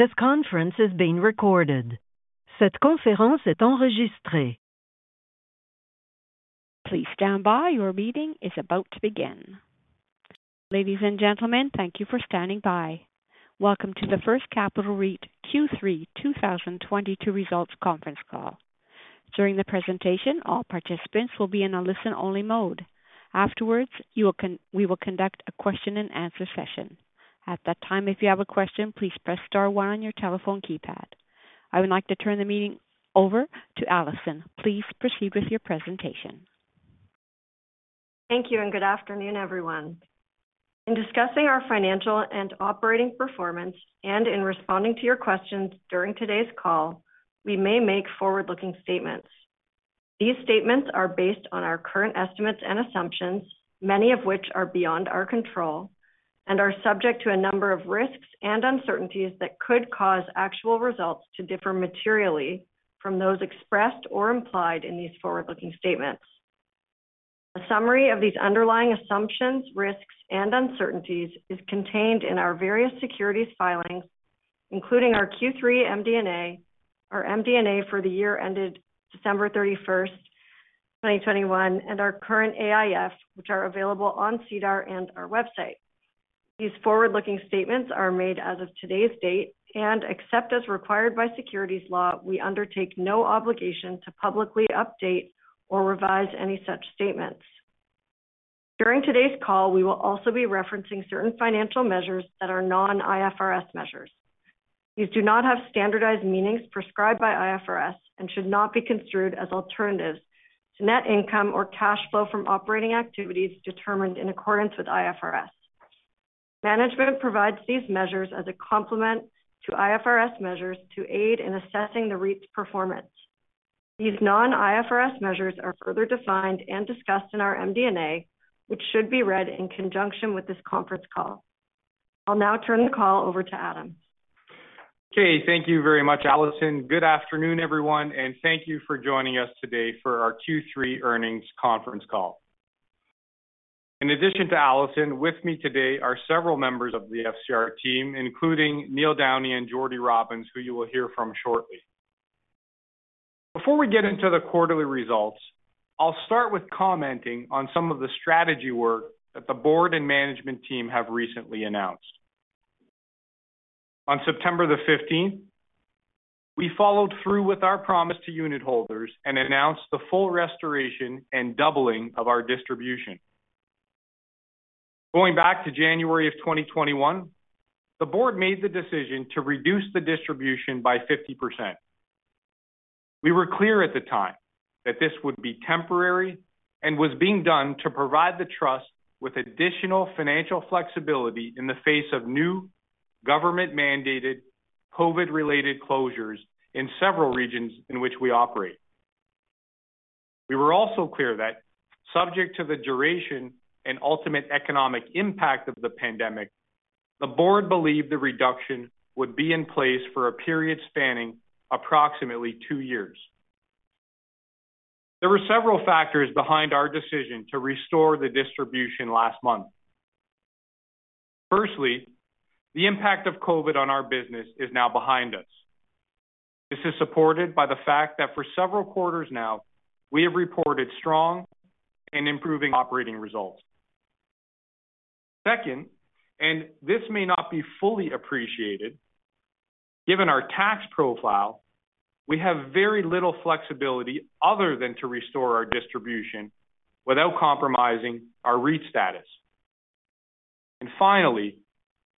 Ladies and gentlemen, thank you for standing by. Welcome to the First Capital REIT Q3 2022 Results Conference Call. During the presentation, all participants will be in a listen-only mode. Afterwards, we will conduct a question and answer session. At that time, if you have a question, please press star one on your telephone keypad. I would like to turn the meeting over to Alison. Please proceed with your presentation. Thank you and good afternoon, everyone. In discussing our financial and operating performance and in responding to your questions during today's call, we may make forward-looking statements. These statements are based on our current estimates and assumptions, many of which are beyond our control and are subject to a number of risks and uncertainties that could cause actual results to differ materially from those expressed or implied in these forward-looking statements. A summary of these underlying assumptions, risks, and uncertainties is contained in our various securities filings, including our Q3 MD&A, our MD&A for the year ended December 31, 2021, and our current AIF, which are available on SEDAR and our website. These forward-looking statements are made as of today's date, and except as required by securities law, we undertake no obligation to publicly update or revise any such statements. During today's call, we will also be referencing certain financial measures that are non-IFRS measures. These do not have standardized meanings prescribed by IFRS and should not be construed as alternatives to net income or cash flow from operating activities determined in accordance with IFRS. Management provides these measures as a complement to IFRS measures to aid in assessing the REIT's performance. These non-IFRS measures are further defined and discussed in our MD&A, which should be read in conjunction with this conference call. I'll now turn the call over to Adam. Okay. Thank you very much, Alison. Good afternoon, everyone, and thank you for joining us today for our Q3 Earnings Conference Call. In addition to Alison, with me today are several members of the FCR team, including Neil Downey and Jordan Robins, who you will hear from shortly. Before we get into the quarterly results, I'll start with commenting on some of the strategy work that the board and management team have recently announced. On September the 15th, we followed through with our promise to unit holders and announced the full restoration and doubling of our distribution. Going back to January of 2021, the board made the decision to reduce the distribution by 50%. We were clear at the time that this would be temporary and was being done to provide the trust with additional financial flexibility in the face of new government-mandated COVID-related closures in several regions in which we operate. We were also clear that subject to the duration and ultimate economic impact of the pandemic, the board believed the reduction would be in place for a period spanning approximately two years. There were several factors behind our decision to restore the distribution last month. Firstly, the impact of COVID on our business is now behind us. This is supported by the fact that for several quarters now, we have reported strong and improving operating results. Second, and this may not be fully appreciated, given our tax profile, we have very little flexibility other than to restore our distribution without compromising our REIT status. Finally,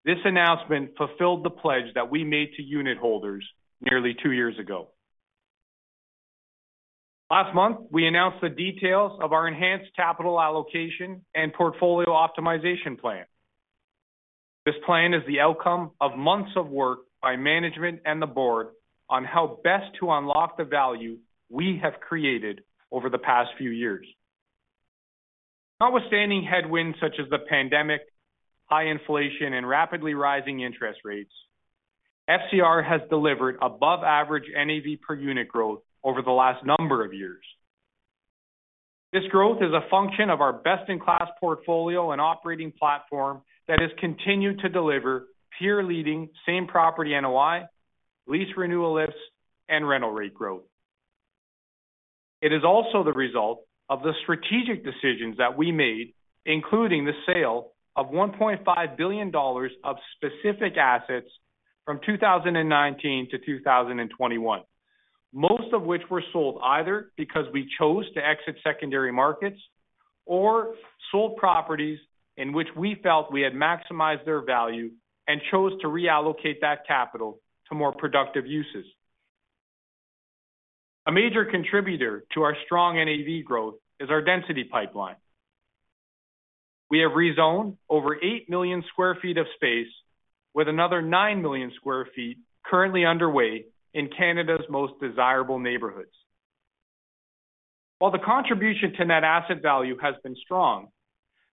this announcement fulfilled the pledge that we made to unit holders nearly two years ago. Last month, we announced the details of our enhanced capital allocation and portfolio optimization plan. This plan is the outcome of months of work by management and the board on how best to unlock the value we have created over the past few years. Notwithstanding headwinds such as the pandemic, high inflation, and rapidly rising interest rates, FCR has delivered above average NAV per unit growth over the last number of years. This growth is a function of our best-in-class portfolio and operating platform that has continued to deliver peer-leading same property NOI, lease renewal lifts, and rental rate growth. It is also the result of the strategic decisions that we made, including the sale of 1.5 billion dollars of specific assets from 2019 to 2021. Most of which were sold either because we chose to exit secondary markets or sold properties in which we felt we had maximized their value and chose to reallocate that capital to more productive uses. A major contributor to our strong NAV growth is our density pipeline. We have rezoned over 8 million sq ft of space with another 9 million sq ft currently underway in Canada's most desirable neighborhoods. While the contribution to net asset value has been strong,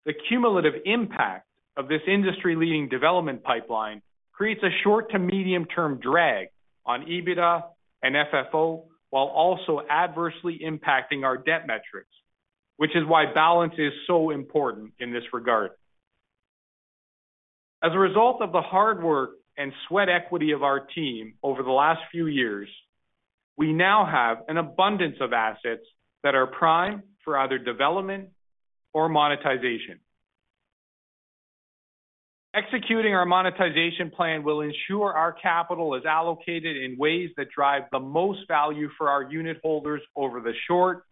the cumulative impact of this industry-leading development pipeline creates a short to medium-term drag on EBITDA and FFO, while also adversely impacting our debt metrics. Which is why balance is so important in this regard. As a result of the hard work and sweat equity of our team over the last few years, we now have an abundance of assets that are prime for either development or monetization. Executing our monetization plan will ensure our capital is allocated in ways that drive the most value for our unit holders over the short,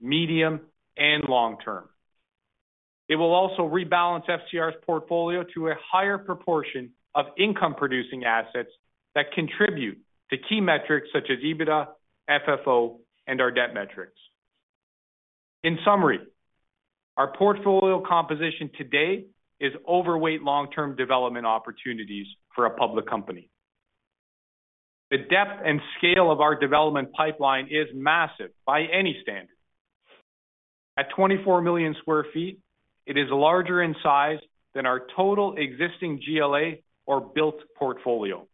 medium, and long term. It will also rebalance FCR's portfolio to a higher proportion of income-producing assets that contribute to key metrics such as EBITDA, FFO, and our debt metrics. In summary, our portfolio composition today is overweight long-term development opportunities for a public company. The depth and scale of our development pipeline is massive by any standard. At 24 million sq ft, it is larger in size than our total existing GLA or built portfolio.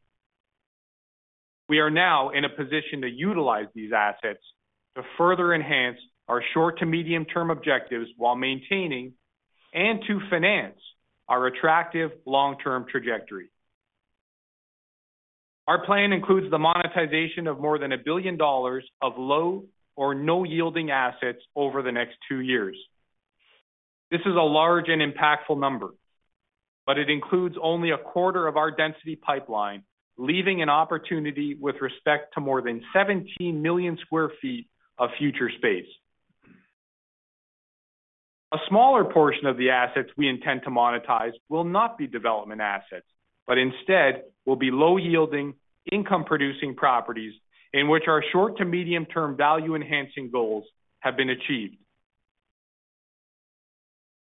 We are now in a position to utilize these assets to further enhance our short- to medium-term objectives while maintaining and to finance our attractive long-term trajectory. Our plan includes the monetization of more than 1 billion dollars of low- or no-yielding assets over the next two years. This is a large and impactful number, but it includes only a quarter of our density pipeline, leaving an opportunity with respect to more than 17 million sq ft of future space. A smaller portion of the assets we intend to monetize will not be development assets, but instead will be low-yielding income-producing properties in which our short- to medium-term value-enhancing goals have been achieved.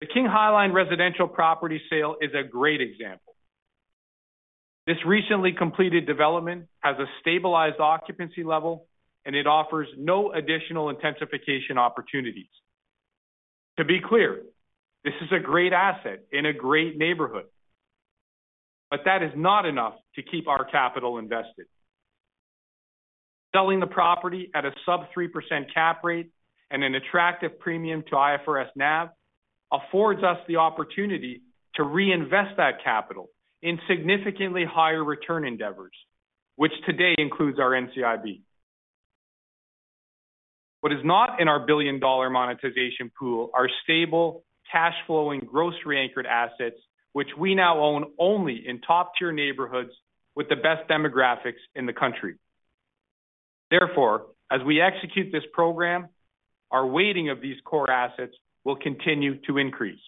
The King High Line residential property sale is a great example. This recently completed development has a stabilized occupancy level, and it offers no additional intensification opportunities. To be clear, this is a great asset in a great neighborhood, but that is not enough to keep our capital invested. Selling the property at a sub 3% cap rate and an attractive premium to IFRS NAV affords us the opportunity to reinvest that capital in significantly higher return endeavors, which today includes our NCIB. What is not in our billion-dollar monetization pool are stable cash flowing grocery-anchored assets, which we now own only in top-tier neighborhoods with the best demographics in the country. Therefore, as we execute this program, our weighting of these core assets will continue to increase.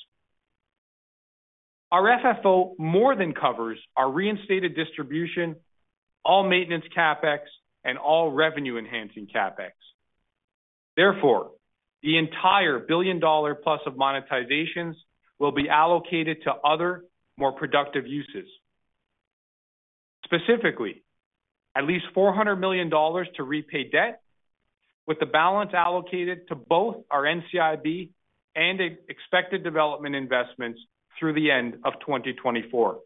Our FFO more than covers our reinstated distribution, all maintenance CapEx, and all revenue-enhancing CapEx. Therefore, the entire billion-dollar plus of monetizations will be allocated to other, more productive uses. Specifically, at least 400 million dollars to repay debt, with the balance allocated to both our NCIB and expected development investments through the end of 2024.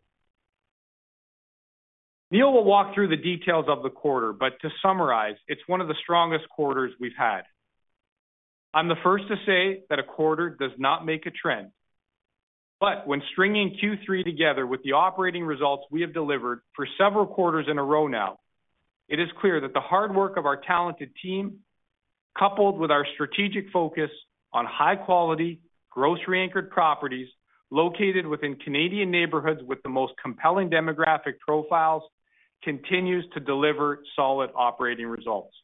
Neil will walk through the details of the quarter, but to summarize, it's one of the strongest quarters we've had. I'm the first to say that a quarter does not make a trend. When stringing Q3 together with the operating results we have delivered for several quarters in a row now, it is clear that the hard work of our talented team, coupled with our strategic focus on high quality grocery anchored properties located within Canadian neighborhoods with the most compelling demographic profiles, continues to deliver solid operating results.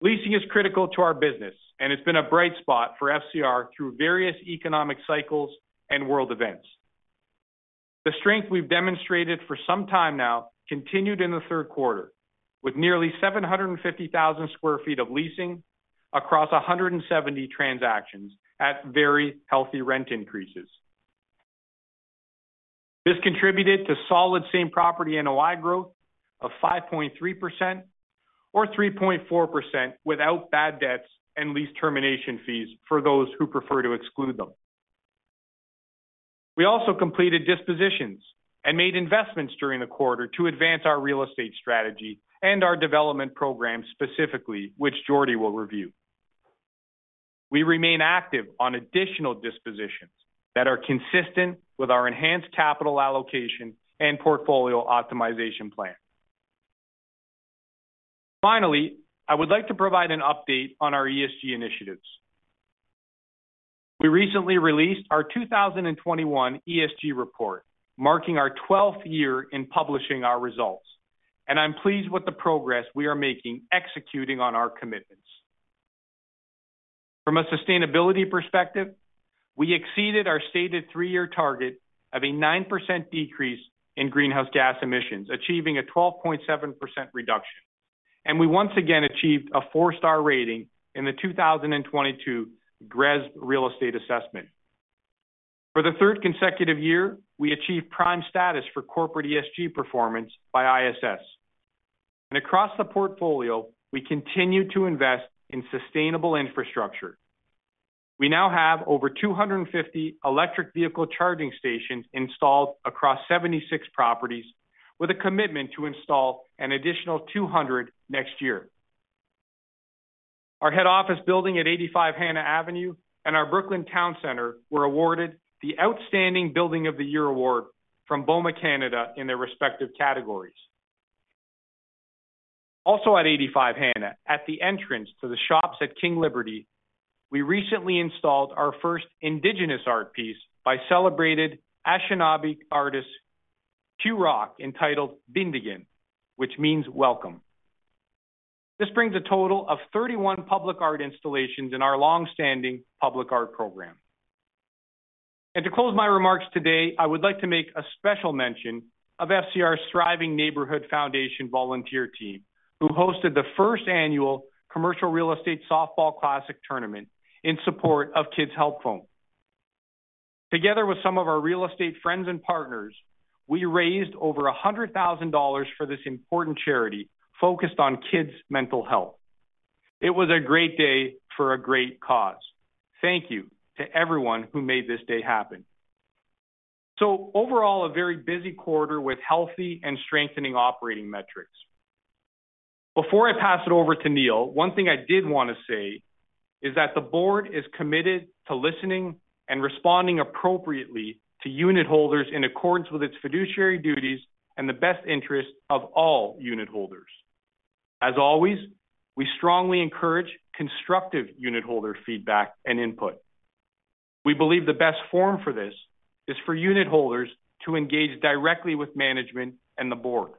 Leasing is critical to our business, and it's been a bright spot for FCR through various economic cycles and world events. The strength we've demonstrated for some time now continued in the Q3, with nearly 750,000 sq ft of leasing across 170 transactions at very healthy rent increases. This contributed to solid same property NOI growth of 5.3% or 3.4% without bad debts and lease termination fees for those who prefer to exclude them. We also completed dispositions and made investments during the quarter to advance our real estate strategy and our development program specifically, which Jordan will review. We remain active on additional dispositions that are consistent with our enhanced capital allocation and portfolio optimization plan. Finally, I would like to provide an update on our ESG initiatives. We recently released our 2021 ESG report, marking our 12th year in publishing our results, and I'm pleased with the progress we are making executing on our commitments. From a sustainability perspective, we exceeded our stated three-year target of a 9% decrease in greenhouse gas emissions, achieving a 12.7% reduction. We once again achieved a 4-star rating in the 2022 GRESB Real Estate Assessment. For the third consecutive year, we achieved prime status for corporate ESG performance by ISS. Across the portfolio, we continue to invest in sustainable infrastructure. We now have over 250 electric vehicle charging stations installed across 76 properties with a commitment to install an additional 200 next year. Our head office building at 85 Hanna Avenue and our Brooklin Towne Centre were awarded the Outstanding Building of the Year award from BOMA Canada in their respective categories. Also at 85 Hanna, at the entrance to the shops at King Liberty, we recently installed our first indigenous art piece by celebrated Anishinaabe artist, Two Row, entitled Biindigin, which means welcome. This brings a total of 31 public art installations in our long-standing public art program. To close my remarks today, I would like to make a special mention of FCR's Thriving Neighbourhoods Foundation volunteer team, who hosted the first annual Commercial Real Estate Softball Classic Tournament in support of Kids Help Phone. Together with some of our real estate friends and partners, we raised over 100,000 dollars for this important charity focused on kids' mental health. It was a great day for a great cause. Thank you to everyone who made this day happen. Overall, a very busy quarter with healthy and strengthening operating metrics. Before I pass it over to Neil, one thing I did want to say is that the board is committed to listening and responding appropriately to unitholders in accordance with its fiduciary duties and the best interest of all unitholders. As always, we strongly encourage constructive unitholder feedback and input. We believe the best forum for this is for unitholders to engage directly with management and the board.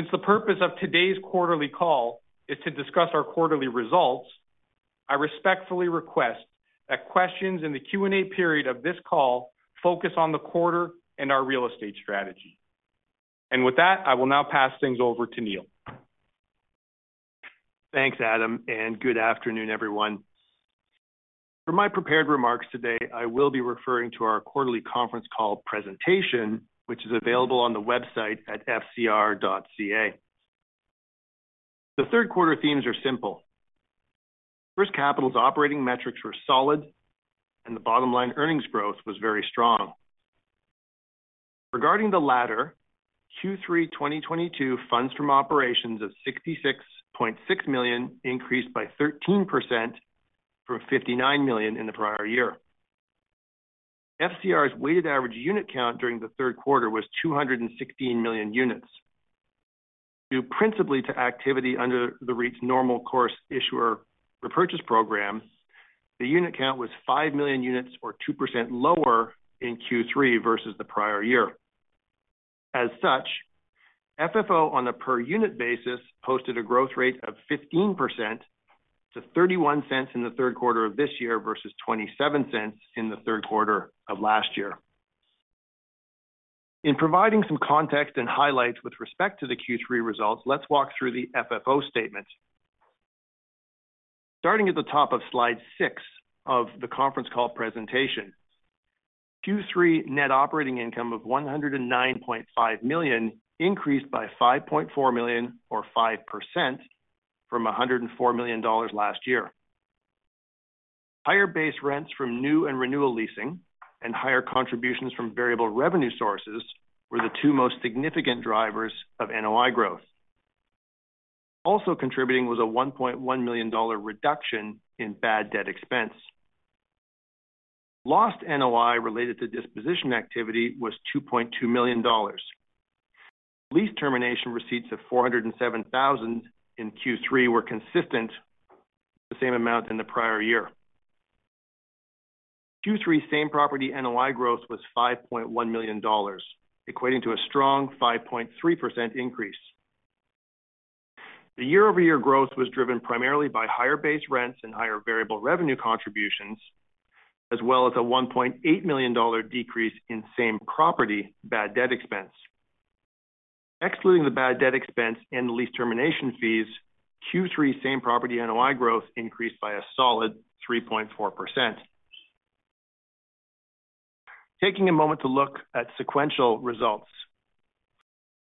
Since the purpose of today's quarterly call is to discuss our quarterly results, I respectfully request that questions in the Q&A period of this call focus on the quarter and our real estate strategy. With that, I will now pass things over to Neil. Thanks, Adam, and good afternoon, everyone. For my prepared remarks today, I will be referring to our quarterly conference call presentation, which is available on the website at fcr.ca. The Q3 themes are simple. First Capital's operating metrics were solid and the bottom line earnings growth was very strong. Regarding the latter, Q3 2022 funds from operations of 66.6 million increased by 13% from 59 million in the prior year. FCR's weighted average unit count during the Q3 was 216 million units. Due principally to activity under the REIT's normal course issuer repurchase program, the unit count was 5 million units or 2% lower in Q3 versus the prior year. As such, FFO on a per unit basis posted a growth rate of 15% to 0.31 in the Q3 of this year versus 0.27 in the Q3 of last year. In providing some context and highlights with respect to the Q3 results, let's walk through the FFO statement. Starting at the top of slide 6 of the conference call presentation. Q3 net operating income of 109.5 million increased by 5.4 million or 5% from 104 million dollars last year. Higher base rents from new and renewal leasing and higher contributions from variable revenue sources were the two most significant drivers of NOI growth. Also contributing was a 1.1 million dollar reduction in bad debt expense. Lost NOI related to disposition activity was 2.2 million dollars. Lease termination receipts of 407,000 in Q3 were consistent with the same amount in the prior year. Q3 same property NOI growth was 5.1 million dollars, equating to a strong 5.3% increase. The year-over-year growth was driven primarily by higher base rents and higher variable revenue contributions, as well as a 1.8 million dollar decrease in same property bad debt expense. Excluding the bad debt expense and the lease termination fees, Q3 same property NOI growth increased by a solid 3.4%. Taking a moment to look at sequential results.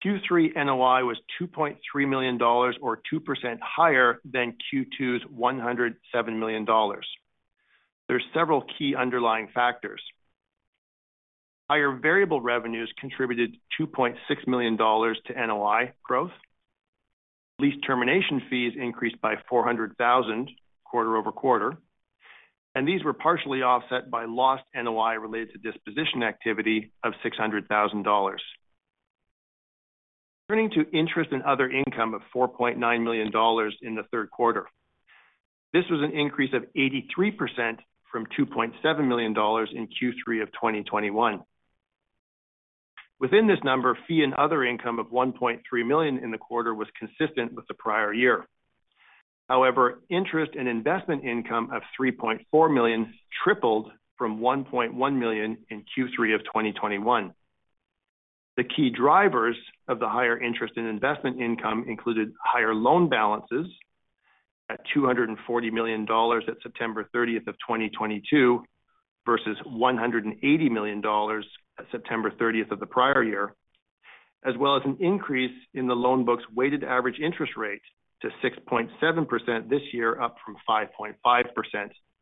Q3 NOI was 2.3 million dollars or 2% higher than Q2's 107 million dollars. There are several key underlying factors. Higher variable revenues contributed 2.6 million dollars to NOI growth. Lease termination fees increased by 400,000 quarter-over-quarter, and these were partially offset by lost NOI related to disposition activity of 600,000 dollars. Turning to interest and other income of 4.9 million dollars in the Q3. This was an increase of 83% from 2.7 million dollars in Q3 of 2021. Within this number, fee and other income of 1.3 million in the quarter was consistent with the prior year. However, interest and investment income of 3.4 million tripled from 1.1 million in Q3 of 2021. The key drivers of the higher interest in investment income included higher loan balances at 240 million dollars at September 30th, 2022 versus 180 million dollars at September 30th of the prior year. As well as an increase in the loan book's weighted average interest rate to 6.7% this year, up from 5.5%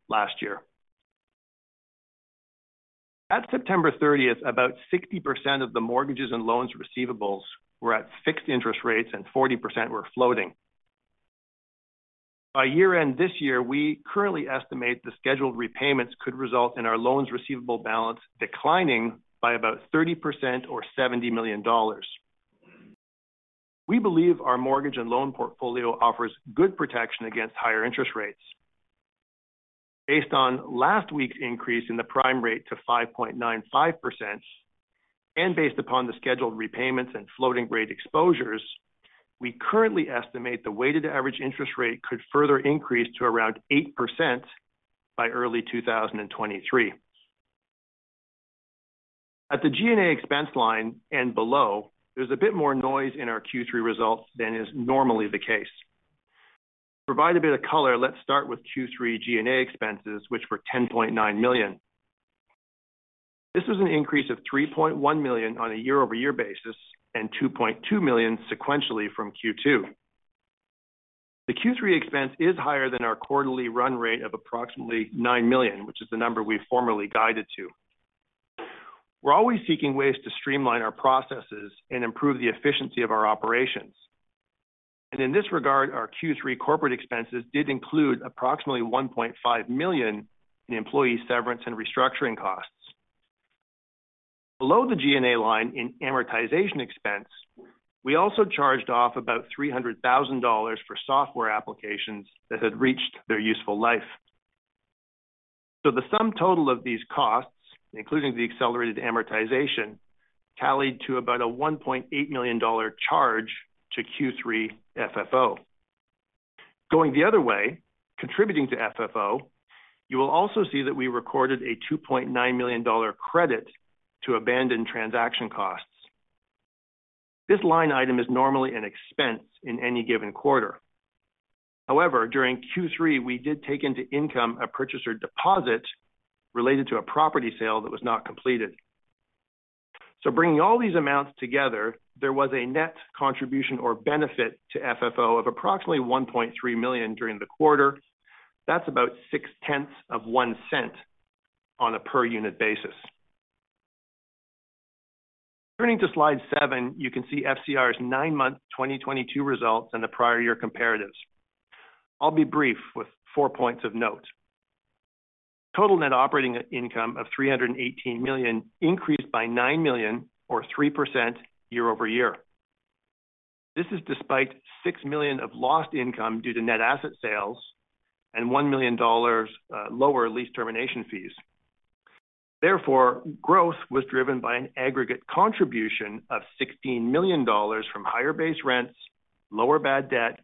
last year. At September 30th, about 60% of the mortgages and loans receivables were at fixed interest rates and 40% were floating. By year-end this year, we currently estimate the scheduled repayments could result in our loans receivable balance declining by about 30% or 70 million dollars. We believe our mortgage and loan portfolio offers good protection against higher interest rates. Based on last week's increase in the prime rate to 5.95%, and based upon the scheduled repayments and floating rate exposures, we currently estimate the weighted average interest rate could further increase to around 8% by early 2023. At the G&A expense line and below, there's a bit more noise in our Q3 results than is normally the case. To provide a bit of color, let's start with Q3 G&A expenses, which were 10.9 million. This was an increase of 3.1 million on a year-over-year basis, and 2.2 million sequentially from Q2. The Q3 expense is higher than our quarterly run rate of approximately 9 million, which is the number we formerly guided to. We're always seeking ways to streamline our processes and improve the efficiency of our operations. In this regard, our Q3 corporate expenses did include approximately 1.5 million in employee severance and restructuring costs. Below the G&A line in amortization expense, we also charged off about 300,000 dollars for software applications that had reached their useful life. The sum total of these costs, including the accelerated amortization, tallied to about a 1.8 million dollar charge to Q3 FFO. Going the other way, contributing to FFO, you will also see that we recorded a 2.9 million dollar credit to abandoned transaction costs. This line item is normally an expense in any given quarter. However, during Q3, we did take into income a purchaser deposit related to a property sale that was not completed. Bringing all these amounts together, there was a net contribution or benefit to FFO of approximately 1.3 million during the quarter. That's about 0.6 of one cent on a per unit basis. Turning to slide 7, you can see FCR's nine-month 2022 results and the prior year comparatives. I'll be brief with four points of note. Total net operating income of 318 million increased by 9 million or 3% year-over-year. This is despite 6 million of lost income due to net asset sales and 1 million dollars lower lease termination fees. Therefore, growth was driven by an aggregate contribution of 16 million dollars from higher base rents, lower bad debt,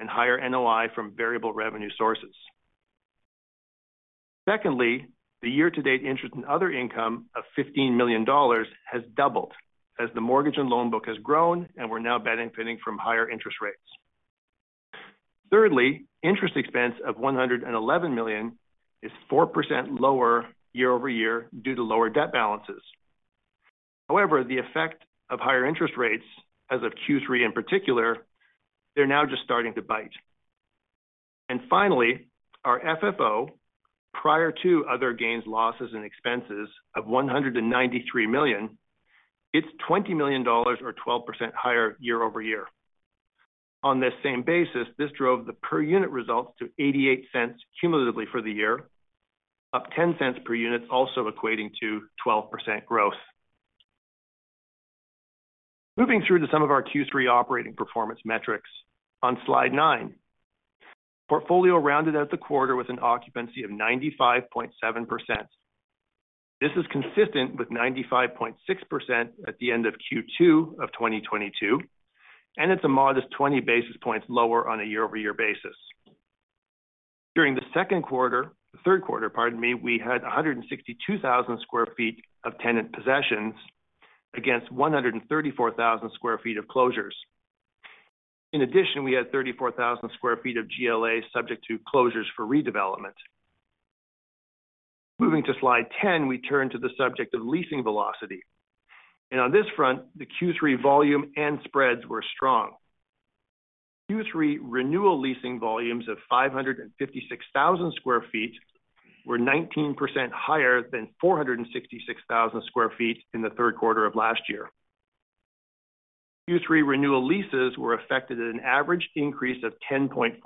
and higher NOI from variable revenue sources. Secondly, the year-to-date interest and other income of 15 million dollars has doubled as the mortgage and loan book has grown, and we're now benefiting from higher interest rates. Thirdly, interest expense of 111 million is 4% lower year-over-year due to lower debt balances. However, the effect of higher interest rates as of Q3 in particular, they're now just starting to bite. Finally, our FFO, prior to other gains, losses, and expenses of 193 million, it's 20 million dollars or 12% higher year-over-year. On this same basis, this drove the per unit results to 0.88 cumulatively for the year, up 0.10 per unit also equating to 12% growth. Moving through to some of our Q3 operating performance metrics on slide 9. Portfolio rounded out the quarter with an occupancy of 95.7%. This is consistent with 95.6% at the end of Q2 of 2022, and it's a modest 20 basis points lower on a year-over-year basis. During the Q3, pardon me, we had 162,000 sq ft of tenant possessions against 134,000 sq ft of closures. In addition, we had 34,000 sq ft of GLA subject to closures for redevelopment. Moving to slide 10, we turn to the subject of leasing velocity. On this front, the Q3 volume and spreads were strong. Q3 renewal leasing volumes of 556,000 sq ft were 19% higher than 466,000 sq ft in the Q3 of last year. Q3 renewal leases were effected at an average increase of 10.4%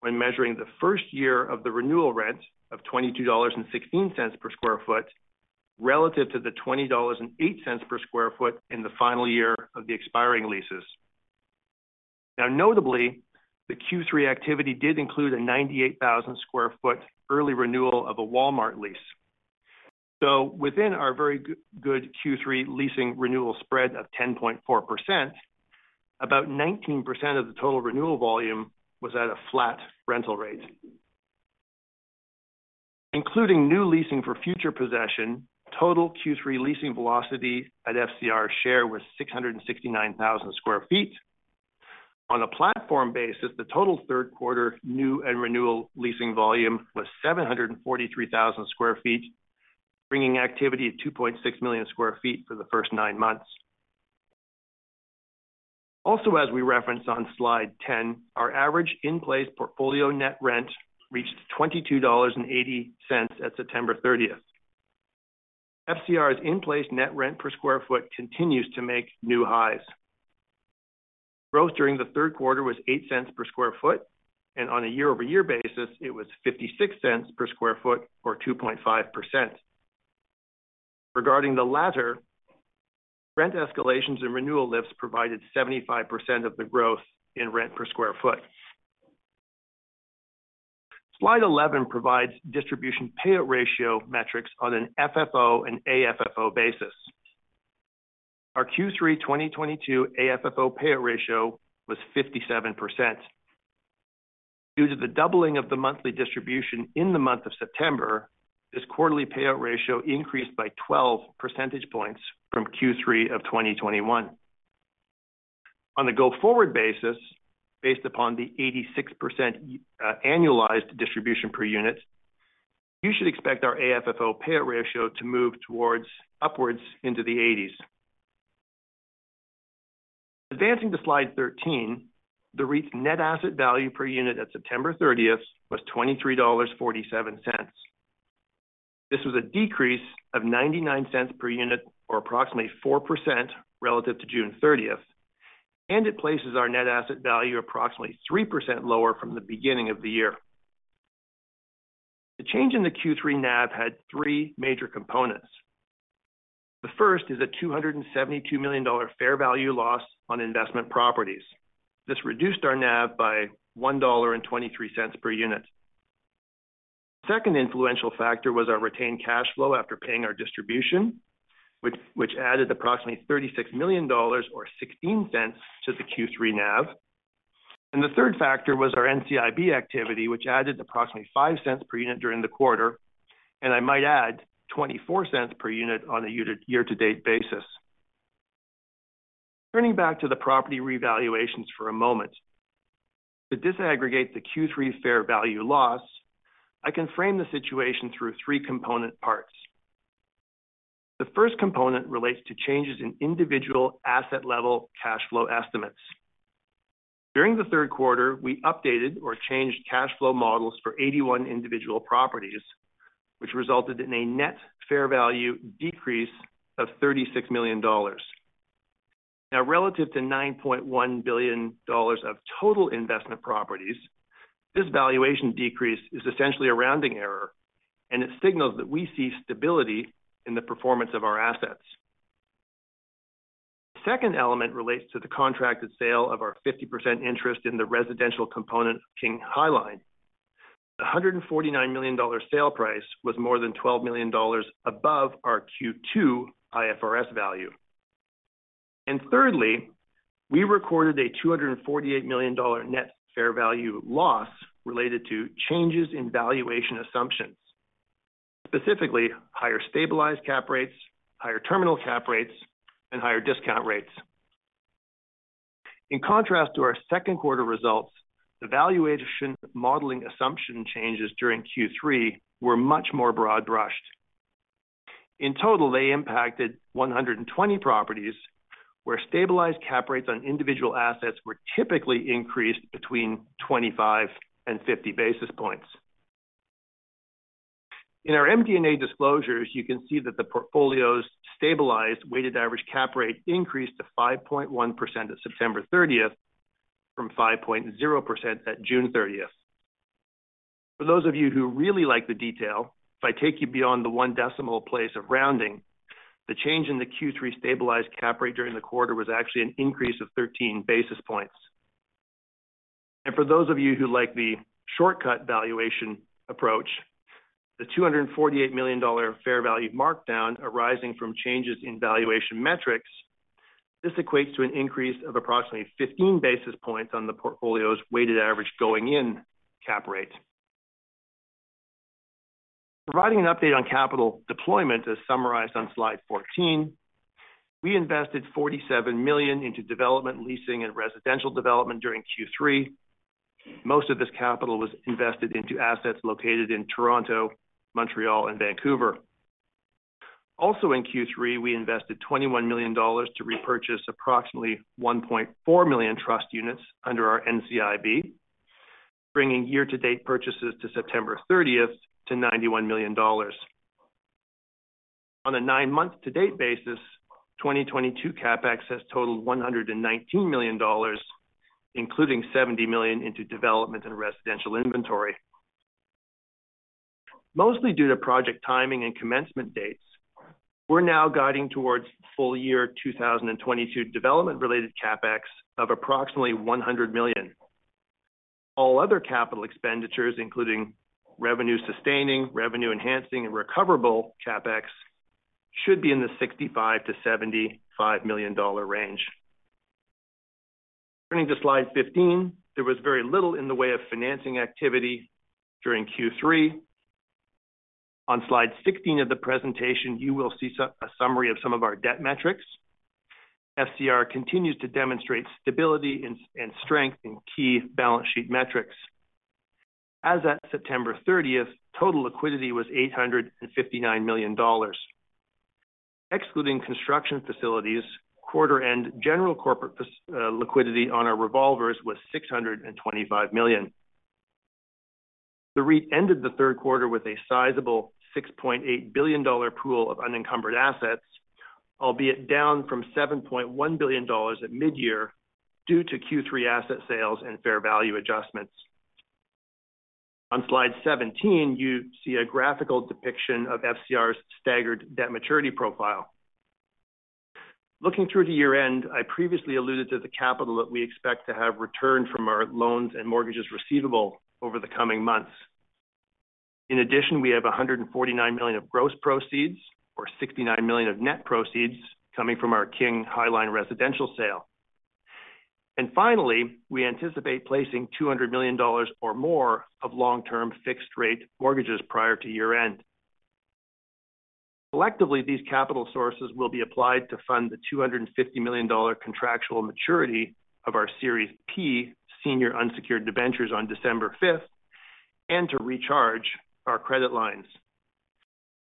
when measuring the first year of the renewal rent of 22.16 dollars per sq ft relative to the 20.08 dollars per sq ft in the final year of the expiring leases. Now notably, the Q3 activity did include a 98,000 sq ft early renewal of a Walmart lease. Within our very good Q3 leasing renewal spread of 10.4%, about 19% of the total renewal volume was at a flat rental rate. Including new leasing for future possession, total Q3 leasing velocity at FCR's share was 669,000 sq ft. On a platform basis, the total Q3 new and renewal leasing volume was 743,000 sq ft, bringing activity to 2.6 million sq ft for the first nine months. Also, as we referenced on slide 10, our average in-place portfolio net rent reached 22.80 dollars at September 30th. FCR's in-place net rent per square foot continues to make new highs. Growth during the Q3 was 0.08 per square foot, and on a year-over-year basis, it was 0.56 per square foot or 2.5%. Regarding the latter, rent escalations and renewal lifts provided 75% of the growth in rent per square foot. Slide 11 provides distribution payout ratio metrics on an FFO and AFFO basis. Our Q3 2022 AFFO payout ratio was 57%. Due to the doubling of the monthly distribution in the month of September, this quarterly payout ratio increased by 12 percentage points from Q3 of 2021. On a go-forward basis, based upon the 86% annualized distribution per unit, you should expect our AFFO payout ratio to move towards upwards into the eighties. Advancing to slide 13, the REIT's net asset value per unit at September 30th was 23.47 dollars. This was a decrease of 0.99 per unit or approximately 4% relative to June 30th, and it places our net asset value approximately 3% lower from the beginning of the year. The change in the Q3 NAV had three major components. The first is a 272 million dollar fair value loss on investment properties. This reduced our NAV by 1.23 dollar per unit. Second influential factor was our retained cash flow after paying our distribution, which added approximately 36 million dollars or 0.16 to the Q3 NAV. The third factor was our NCIB activity, which added approximately 0.05 per unit during the quarter. I might add 0.24 per unit on a year-to-date basis. Turning back to the property revaluations for a moment. To disaggregate the Q3 fair value loss, I can frame the situation through three component parts. The first component relates to changes in individual asset-level cash flow estimates. During the Q3, we updated or changed cash flow models for 81 individual properties, which resulted in a net fair value decrease of 36 million dollars. Now, relative to 9.1 billion dollars of total investment properties, this valuation decrease is essentially a rounding error, and it signals that we see stability in the performance of our assets. Second element relates to the contracted sale of our 50% interest in the residential component King High Line. The 149 million dollar sale price was more than 12 million dollars above our Q2 IFRS value. Thirdly, we recorded a 248 million dollar net fair value loss related to changes in valuation assumptions, specifically higher stabilized cap rates, higher terminal cap rates, and higher discount rates. In contrast to our Q2 results, the valuation modeling assumption changes during Q3 were much more broad-brushed. In total, they impacted 120 properties, where stabilized cap rates on individual assets were typically increased between 25 and 50 basis points. In our MD&A disclosures, you can see that the portfolio's stabilized weighted average cap rate increased to 5.1% at September 30th from 5.0% at June 30th. For those of you who really like the detail, if I take you beyond the one decimal place of rounding, the change in the Q3 stabilized cap rate during the quarter was actually an increase of 13 basis points. For those of you who like the shortcut valuation approach, the 248 million dollar fair value markdown arising from changes in valuation metrics, this equates to an increase of approximately 15 basis points on the portfolio's weighted average going in cap rate. Providing an update on capital deployment, as summarized on slide 14, we invested 47 million into development, leasing, and residential development during Q3. Most of this capital was invested into assets located in Toronto, Montreal, and Vancouver. Also in Q3, we invested 21 million dollars to repurchase approximately 1.4 million trust units under our NCIB, bringing year-to-date purchases to September 30th to 91 million dollars. On a nine-month-to-date basis, 2022 CapEx has totaled 119 million dollars, including 70 million into development and residential inventory. Mostly due to project timing and commencement dates, we're now guiding towards full year 2022 development related CapEx of approximately 100 million. All other capital expenditures, including revenue sustaining, revenue enhancing, and recoverable CapEx should be in the 65 million to 75 million dollar range. Turning to slide 15, there was very little in the way of financing activity during Q3. On slide 16 of the presentation, you will see a summary of some of our debt metrics. FCR continues to demonstrate stability and strength in key balance sheet metrics. As at September 30th, total liquidity was 859 million dollars. Excluding construction facilities, quarter-end general corporate facilities liquidity on our revolvers was 625 million. The REIT ended the Q3 with a sizable $6.8 billion pool of unencumbered assets, albeit down from $7.1 billion at mid-year due to Q3 asset sales and fair value adjustments. On slide 17, you see a graphical depiction of FCR's staggered debt maturity profile. Looking through to year-end, I previously alluded to the capital that we expect to have returned from our loans and mortgages receivable over the coming months. In addition, we have 149 million of gross proceeds or 69 million of net proceeds coming from our King High Line residential sale. Finally, we anticipate placing 200 million dollars or more of long-term fixed rate mortgages prior to year-end. Collectively, these capital sources will be applied to fund the 250 million dollar contractual maturity of our Series P senior unsecured debentures on December 5, and to recharge our credit lines.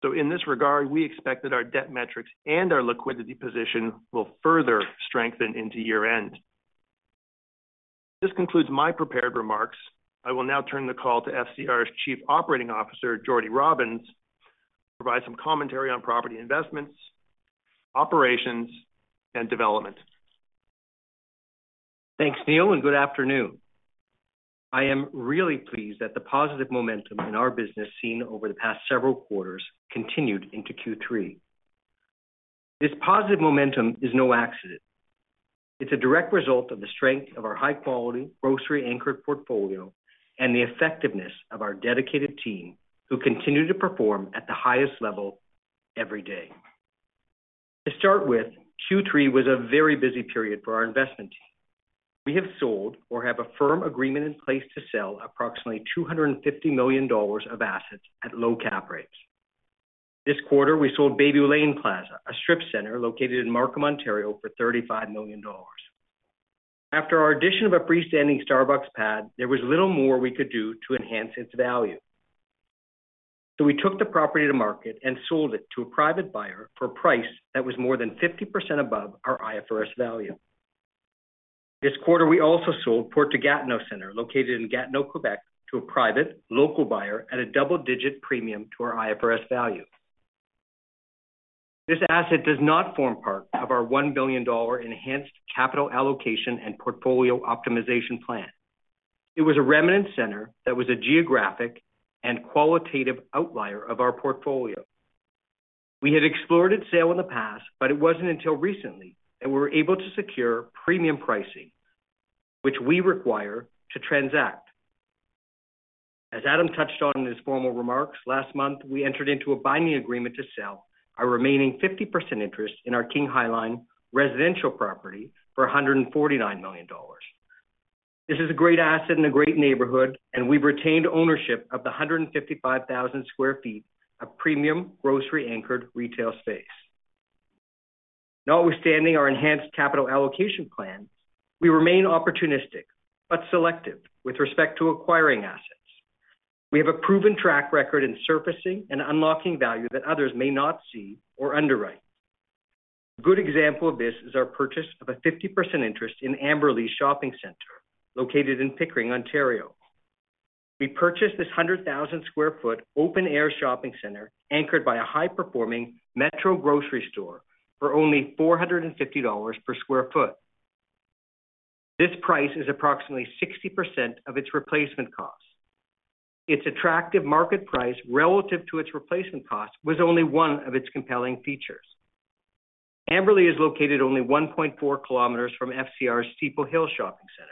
In this regard, we expect that our debt metrics and our liquidity position will further strengthen into year-end. This concludes my prepared remarks. I will now turn the call to FCR's Chief Operating Officer, Jordan Robins, to provide some commentary on property investments, operations, and development. Thanks, Neil, and good afternoon. I am really pleased that the positive momentum in our business seen over the past several quarters continued into Q3. This positive momentum is no accident. It's a direct result of the strength of our high-quality grocery-anchored portfolio and the effectiveness of our dedicated team, who continue to perform at the highest level every day. To start with, Q3 was a very busy period for our investment team. We have sold or have a firm agreement in place to sell approximately 250 million dollars of assets at low cap rates. This quarter, we sold Bayview Lane Plaza, a strip center located in Markham, Ontario, for 35 million dollars. After our addition of a freestanding Starbucks pad, there was little more we could do to enhance its value. We took the property to market and sold it to a private buyer for a price that was more than 50% above our IFRS value. This quarter, we also sold Porte Gatineau Centre, located in Gatineau, Quebec, to a private local buyer at a double-digit premium to our IFRS value. This asset does not form part of our 1 billion dollar enhanced capital allocation and portfolio optimization plan. It was a remnant center that was a geographic and qualitative outlier of our portfolio. We had explored its sale in the past, but it wasn't until recently that we were able to secure premium pricing, which we require to transact. As Adam touched on in his formal remarks last month, we entered into a binding agreement to sell our remaining 50% interest in our King High Line residential property for 149 million dollars. This is a great asset in a great neighborhood, and we've retained ownership of the 155,000 sq ft of premium grocery anchored retail space. Notwithstanding our enhanced capital allocation plans, we remain opportunistic but selective with respect to acquiring assets. We have a proven track record in surfacing and unlocking value that others may not see or underwrite. A good example of this is our purchase of a 50% interest in Amberlea Shopping Centre, located in Pickering, Ontario. We purchased this 100,000 sq ft open air shopping center anchored by a high-performing Metro grocery store for only 450 dollars per square foot. This price is approximately 60% of its replacement cost. Its attractive market price relative to its replacement cost was only one of its compelling features. Amberlea is located only 1.4 km from FCR's Steeple Hill Shopping Centre.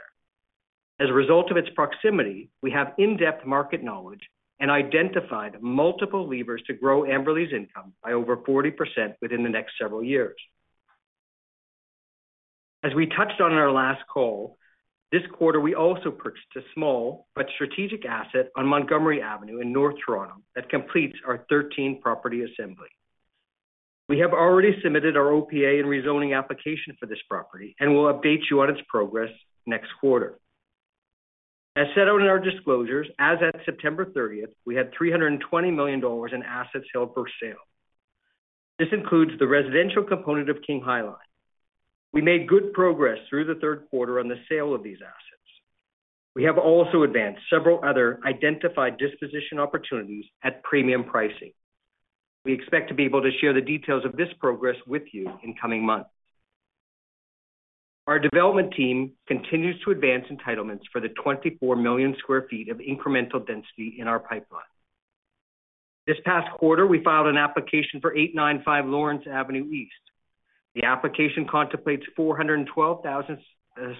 As a result of its proximity, we have in-depth market knowledge and identified multiple levers to grow Amberlea's income by over 40% within the next several years. As we touched on in our last call, this quarter we also purchased a small but strategic asset on Montgomery Avenue in North Toronto that completes our 13-property assembly. We have already submitted our OPA and rezoning application for this property, and we'll update you on its progress next quarter. As set out in our disclosures, as at September 30th, we had 320 million dollars in assets held for sale. This includes the residential component of King High Line. We made good progress through the Q3 on the sale of these assets. We have also advanced several other identified disposition opportunities at premium pricing. We expect to be able to share the details of this progress with you in coming months. Our development team continues to advance entitlements for the 24 million sq ft of incremental density in our pipeline. This past quarter, we filed an application for 895 Lawrence Avenue East. The application contemplates 412,000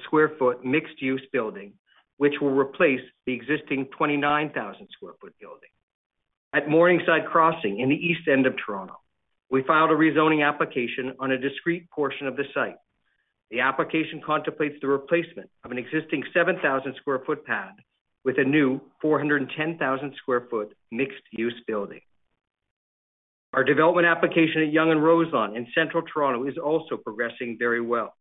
sq ft mixed-use building, which will replace the existing 29,000 sq ft building. At Morningside Crossing in the east end of Toronto, we filed a rezoning application on a discrete portion of the site. The application contemplates the replacement of an existing 7,000 sq ft pad with a new 410,000 sq ft mixed-use building. Our development application at Yonge and Roselawn in central Toronto is also progressing very well.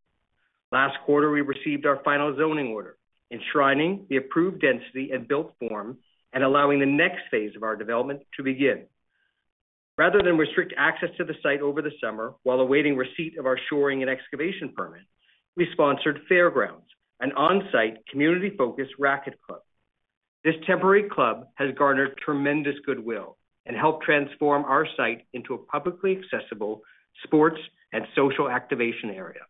Last quarter, we received our final zoning order, enshrining the approved density and built form and allowing the next phase of our development to begin. Rather than restrict access to the site over the summer while awaiting receipt of our shoring and excavation permit, we sponsored Fairgrounds, an on-site community-focused racket club. This temporary club has garnered tremendous goodwill and helped transform our site into a publicly accessible sports and social activation area.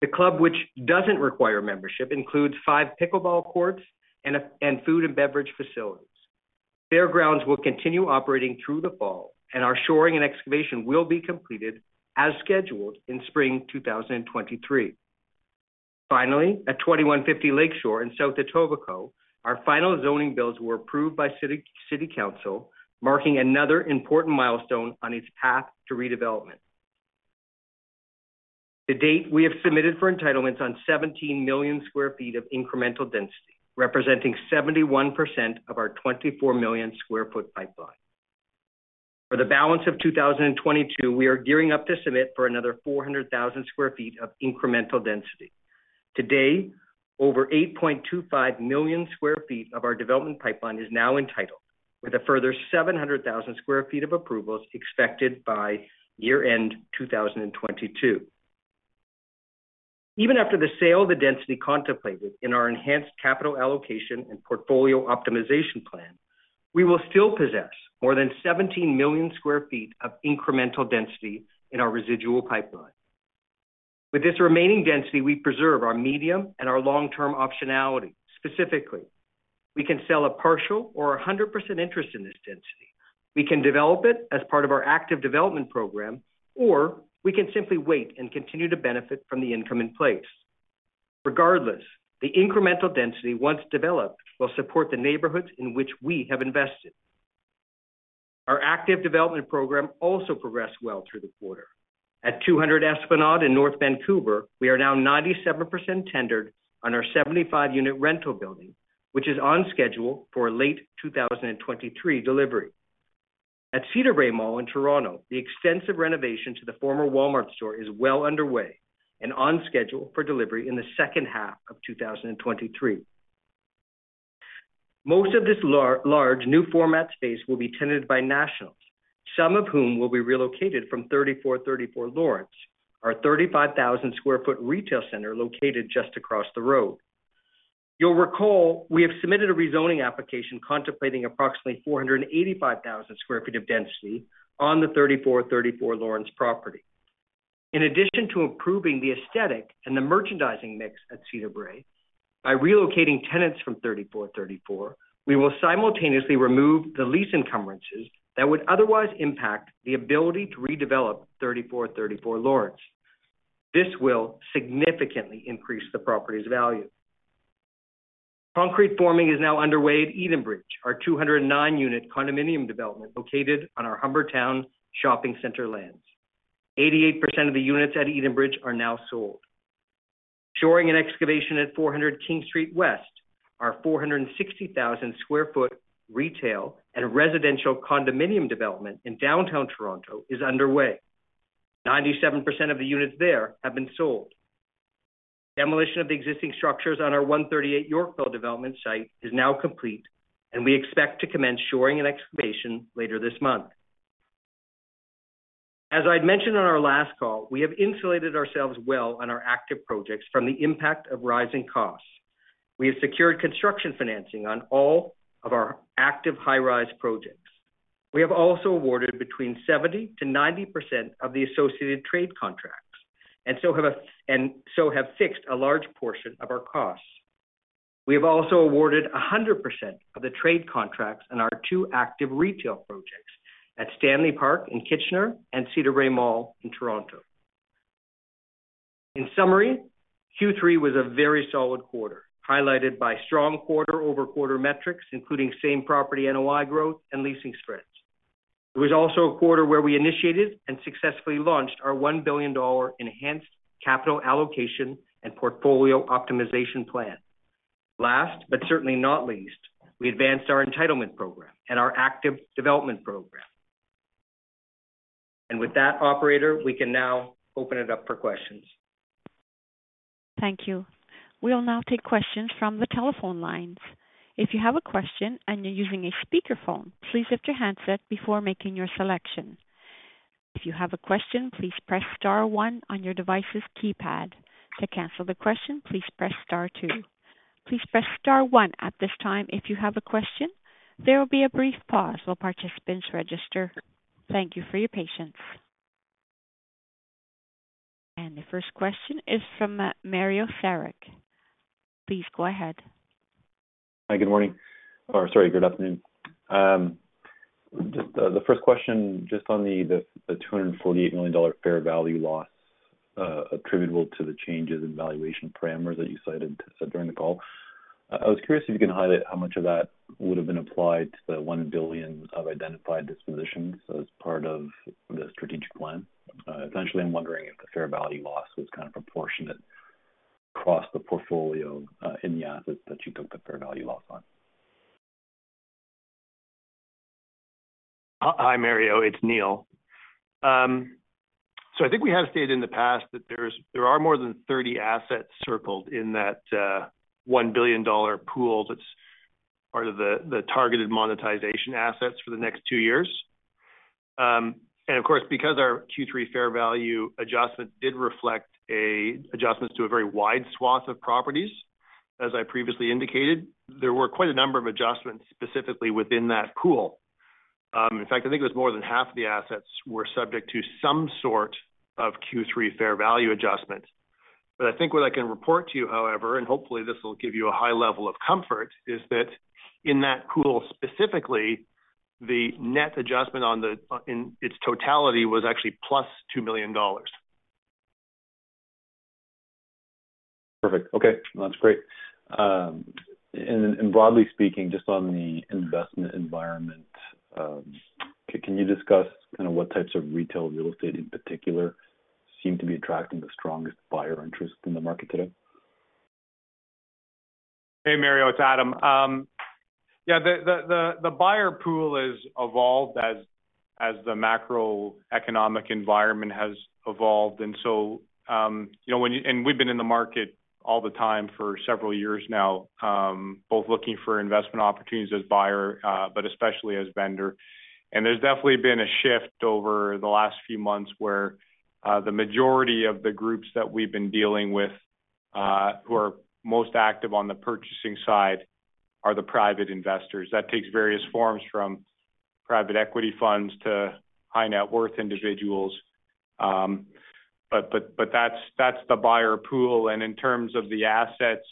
The club, which doesn't require membership, includes five pickleball courts and food and beverage facilities. Fairgrounds will continue operating through the fall, and our shoring and excavation will be completed as scheduled in spring 2023. Finally, at 2150 Lakeshore in South Etobicoke, our final zoning by-laws were approved by City Council, marking another important milestone on its path to redevelopment. To date, we have submitted for entitlements on 17 million sq ft of incremental density, representing 71% of our 24 million sq ft pipeline. For the balance of 2022, we are gearing up to submit for another 400,000 sq ft of incremental density. To date, over 8.25 million sq ft of our development pipeline is now entitled, with a further 700,000 sq ft of approvals expected by year-end 2022. Even after the sale, the density contemplated in our enhanced capital allocation and portfolio optimization plan, we will still possess more than 17 million sq ft of incremental density in our residual pipeline. With this remaining density, we preserve our medium and our long-term optionality. Specifically, we can sell a partial or a 100% interest in this density, we can develop it as part of our active development program, or we can simply wait and continue to benefit from the income in place. Regardless, the incremental density, once developed, will support the neighborhoods in which we have invested. Our active development program also progressed well through the quarter. At 200 Esplanade in North Vancouver, we are now 97% tendered on our 75-unit rental building, which is on schedule for late 2023 delivery. At Cedarbrae Mall in Toronto, the extensive renovation to the former Walmart store is well underway and on schedule for delivery in the second half of 2023. Most of this large new format space will be tenanted by nationals, some of whom will be relocated from 3434 Lawrence, our 35,000 sq ft retail center located just across the road. You'll recall we have submitted a rezoning application contemplating approximately 485,000 square feet of density on the 3434 Lawrence property. In addition to improving the aesthetic and the merchandising mix at Cedarbrae by relocating tenants from 3434, we will simultaneously remove the lease encumbrances that would otherwise impact the ability to redevelop 3434 Lawrence. This will significantly increase the property's value. Concrete forming is now underway at Edenbridge, our 209-unit condominium development located on our Humbertown Shopping Centre lands. 88% of the units at Edenbridge are now sold. Shoring and excavation at 400 King Street West, our 460,000 sq ft retail and residential condominium development in downtown Toronto is underway. 97% of the units there have been sold. Demolition of the existing structures on our 138 Yorkville development site is now complete, and we expect to commence shoring and excavation later this month. As I'd mentioned on our last call, we have insulated ourselves well on our active projects from the impact of rising costs. We have secured construction financing on all of our active high-rise projects. We have also awarded between 70% to 90% of the associated trade contracts and so have fixed a large portion of our costs. We have also awarded 100% of the trade contracts on our two active retail projects at Stanley Park in Kitchener and Cedarbrae Mall in Toronto. In summary, Q3 was a very solid quarter, highlighted by strong quarter-over-quarter metrics, including same property NOI growth and leasing spreads. It was also a quarter where we initiated and successfully launched our 1 billion dollar enhanced capital allocation and portfolio optimization plan. Last, but certainly not least, we advanced our entitlement program and our active development program. With that operator, we can now open it up for questions. Thank you. We'll now take questions from the telephone lines. If you have a question and you're using a speakerphone, please lift your handset before making your selection. If you have a question, please press star one on your device's keypad. To cancel the question, please press star two. Please press star one at this time if you have a question. There will be a brief pause while participants register. Thank you for your patience. The first question is from Mario Saric. Please go ahead. Hi, good morning, or sorry, good afternoon. Just the first question just on the 248 million dollar fair value loss, attributable to the changes in valuation parameters that you cited said during the call. I was curious if you can highlight how much of that would have been applied to the 1 billion of identified dispositions as part of the strategic plan. Essentially, I'm wondering if the fair value loss was kind of proportionate across the portfolio, in the assets that you took the fair value loss on. Hi, Mario, it's Neil. I think we have stated in the past that there are more than 30 assets circled in that 1 billion dollar pool that's part of the targeted monetization assets for the next two years. Of course, because our Q3 fair value adjustment did reflect adjustments to a very wide swath of properties, as I previously indicated, there were quite a number of adjustments specifically within that pool. In fact, I think it was more than half the assets were subject to some sort of Q3 fair value adjustment. I think what I can report to you, however, and hopefully this will give you a high level of comfort, is that in that pool, specifically, the net adjustment in its totality was actually plus 2 million dollars. Perfect. Okay, that's great. Broadly speaking, just on the investment environment, can you discuss kind of what types of retail real estate in particular seem to be attracting the strongest buyer interest in the market today? Hey, Mario, it's Adam. The buyer pool has evolved as the macroeconomic environment has evolved. We've been in the market all the time for several years now, both looking for investment opportunities as buyer, but especially as vendor. There's definitely been a shift over the last few months where the majority of the groups that we've been dealing with who are most active on the purchasing side are the private investors. That takes various forms, from private equity funds to high net worth individuals. But that's the buyer pool. In terms of the assets,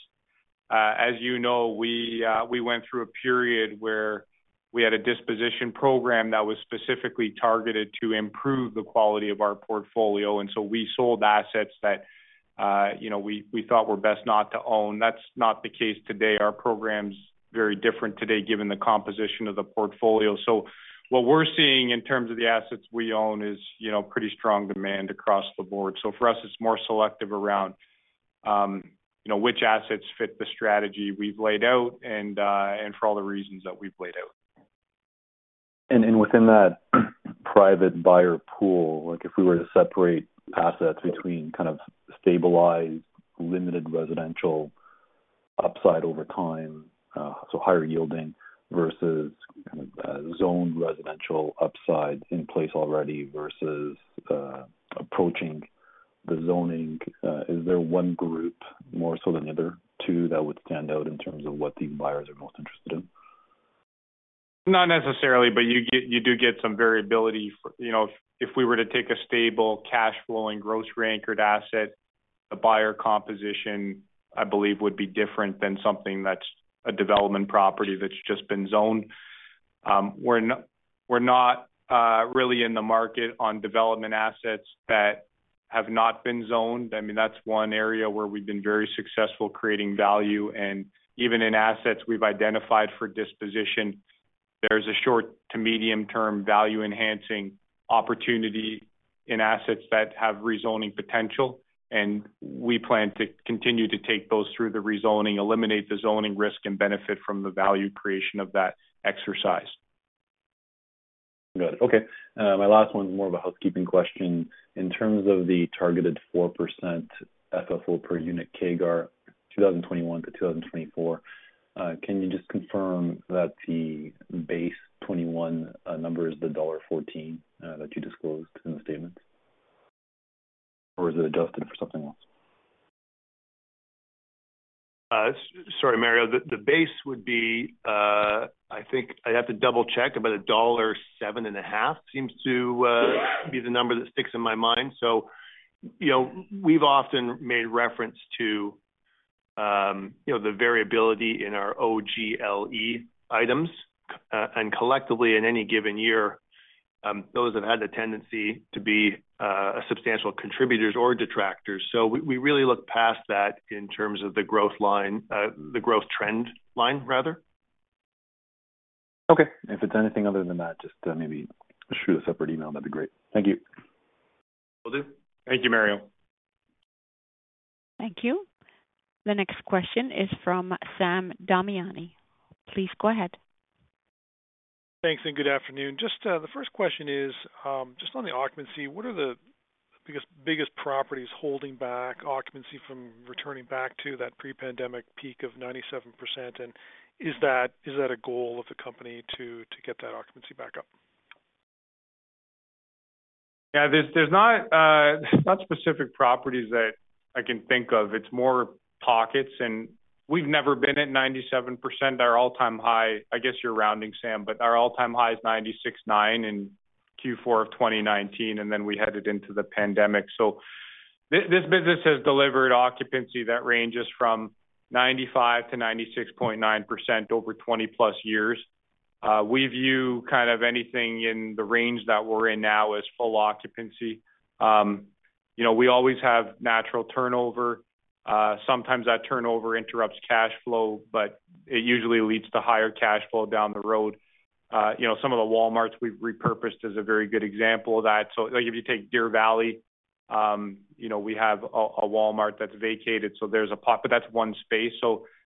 as you know, we went through a period where we had a disposition program that was specifically targeted to improve the quality of our portfolio. We sold assets that we thought were best not to own. That's not the case today. Our program's very different today given the composition of the portfolio. What we're seeing in terms of the assets we own is pretty strong demand across the board. For us, it's more selective around which assets fit the strategy we've laid out and for all the reasons that we've laid out. Within that private buyer pool, like if we were to separate assets between kind of stabilized, limited residential upside over time, so higher yielding versus kind of, zoned residential upside in place already versus, approaching the zoning, is there one group more so than the other two that would stand out in terms of what the buyers are most interested in? Not necessarily, but you get, you do get some variability. You know, if we were to take a stable cash flowing, grocery anchored asset, the buyer composition, I believe, would be different than something that's a development property that's just been zoned. We're not really in the market on development assets that have not been zoned. I mean, that's one area where we've been very successful creating value. Even in assets we've identified for disposition, there's a short to medium term value enhancing opportunity in assets that have rezoning potential. We plan to continue to take those through the rezoning, eliminate the zoning risk, and benefit from the value creation of that exercise. Good. Okay. My last one is more of a housekeeping question. In terms of the targeted 4% FFO per unit CAGR, 2021 to 2024, can you just confirm that the base 2021 number is the dollar 1.14 that you disclosed in the statements? Or is it adjusted for something else? Sorry, Mario. The base would be, I think I'd have to double-check. About dollar 1.075 seems to be the number that sticks in my mind. You know, we've often made reference to, you know, the variability in our O-G-L-E items. And collectively, in any given year, those have had the tendency to be a substantial contributors or detractors. We really look past that in terms of the growth line, the growth trend line rather. Okay. If it's anything other than that, just, maybe shoot a separate email. That'd be great. Thank you. Will do. Thank you, Mario. Thank you. The next question is from Sam Damiani. Please go ahead. Thanks, good afternoon. Just the first question is just on the occupancy, what are the biggest properties holding back occupancy from returning back to that pre-pandemic peak of 97%? Is that a goal of the company to get that occupancy back up? Yeah. There's not specific properties that I can think of. It's more pockets. We've never been at 97%. Our all-time high, I guess you're rounding, Sam, but our all-time high is 96.9% in Q4 of 2019, and then we headed into the pandemic. This business has delivered occupancy that ranges from 95% to 96.9% over 20+ years. We view kind of anything in the range that we're in now as full occupancy. You know, we always have natural turnover. Sometimes that turnover interrupts cash flow, but it usually leads to higher cash flow down the road. You know, some of the Walmart we've repurposed is a very good example of that. If you take Deer Valley, you know, we have a Walmart that's vacated, so there's, but that's one space.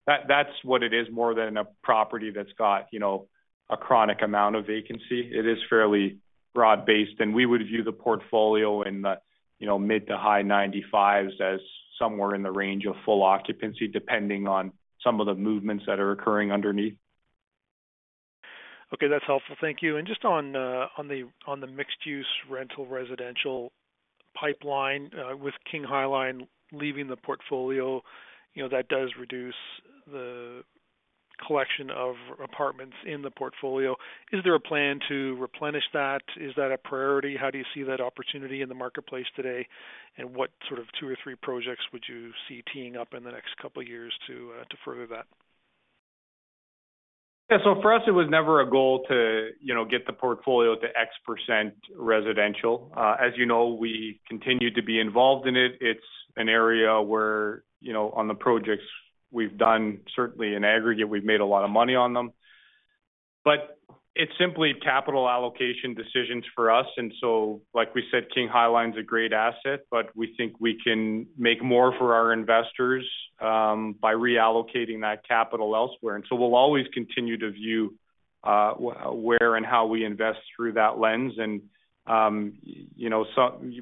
That's what it is more than a property that's got, you know, a chronic amount of vacancy. It is fairly broad-based, and we would view the portfolio in the, you know, mid- to high 90s% as somewhere in the range of full occupancy, depending on some of the movements that are occurring underneath. Okay. That's helpful. Thank you. Just on the mixed-use rental residential pipeline, with King High Line leaving the portfolio, you know, that does reduce the collection of apartments in the portfolio. Is there a plan to replenish that? Is that a priority? How do you see that opportunity in the marketplace today? What sort of two or three projects would you see teeing up in the next couple of years to further that? Yeah. For us, it was never a goal to, you know, get the portfolio to X% residential. As you know, we continue to be involved in it. It's an area where, you know, on the projects we've done, certainly in aggregate, we've made a lot of money on them. It's simply capital allocation decisions for us. Like we said, King High Line is a great asset, but we think we can make more for our investors by reallocating that capital elsewhere. We'll always continue to view where and how we invest through that lens.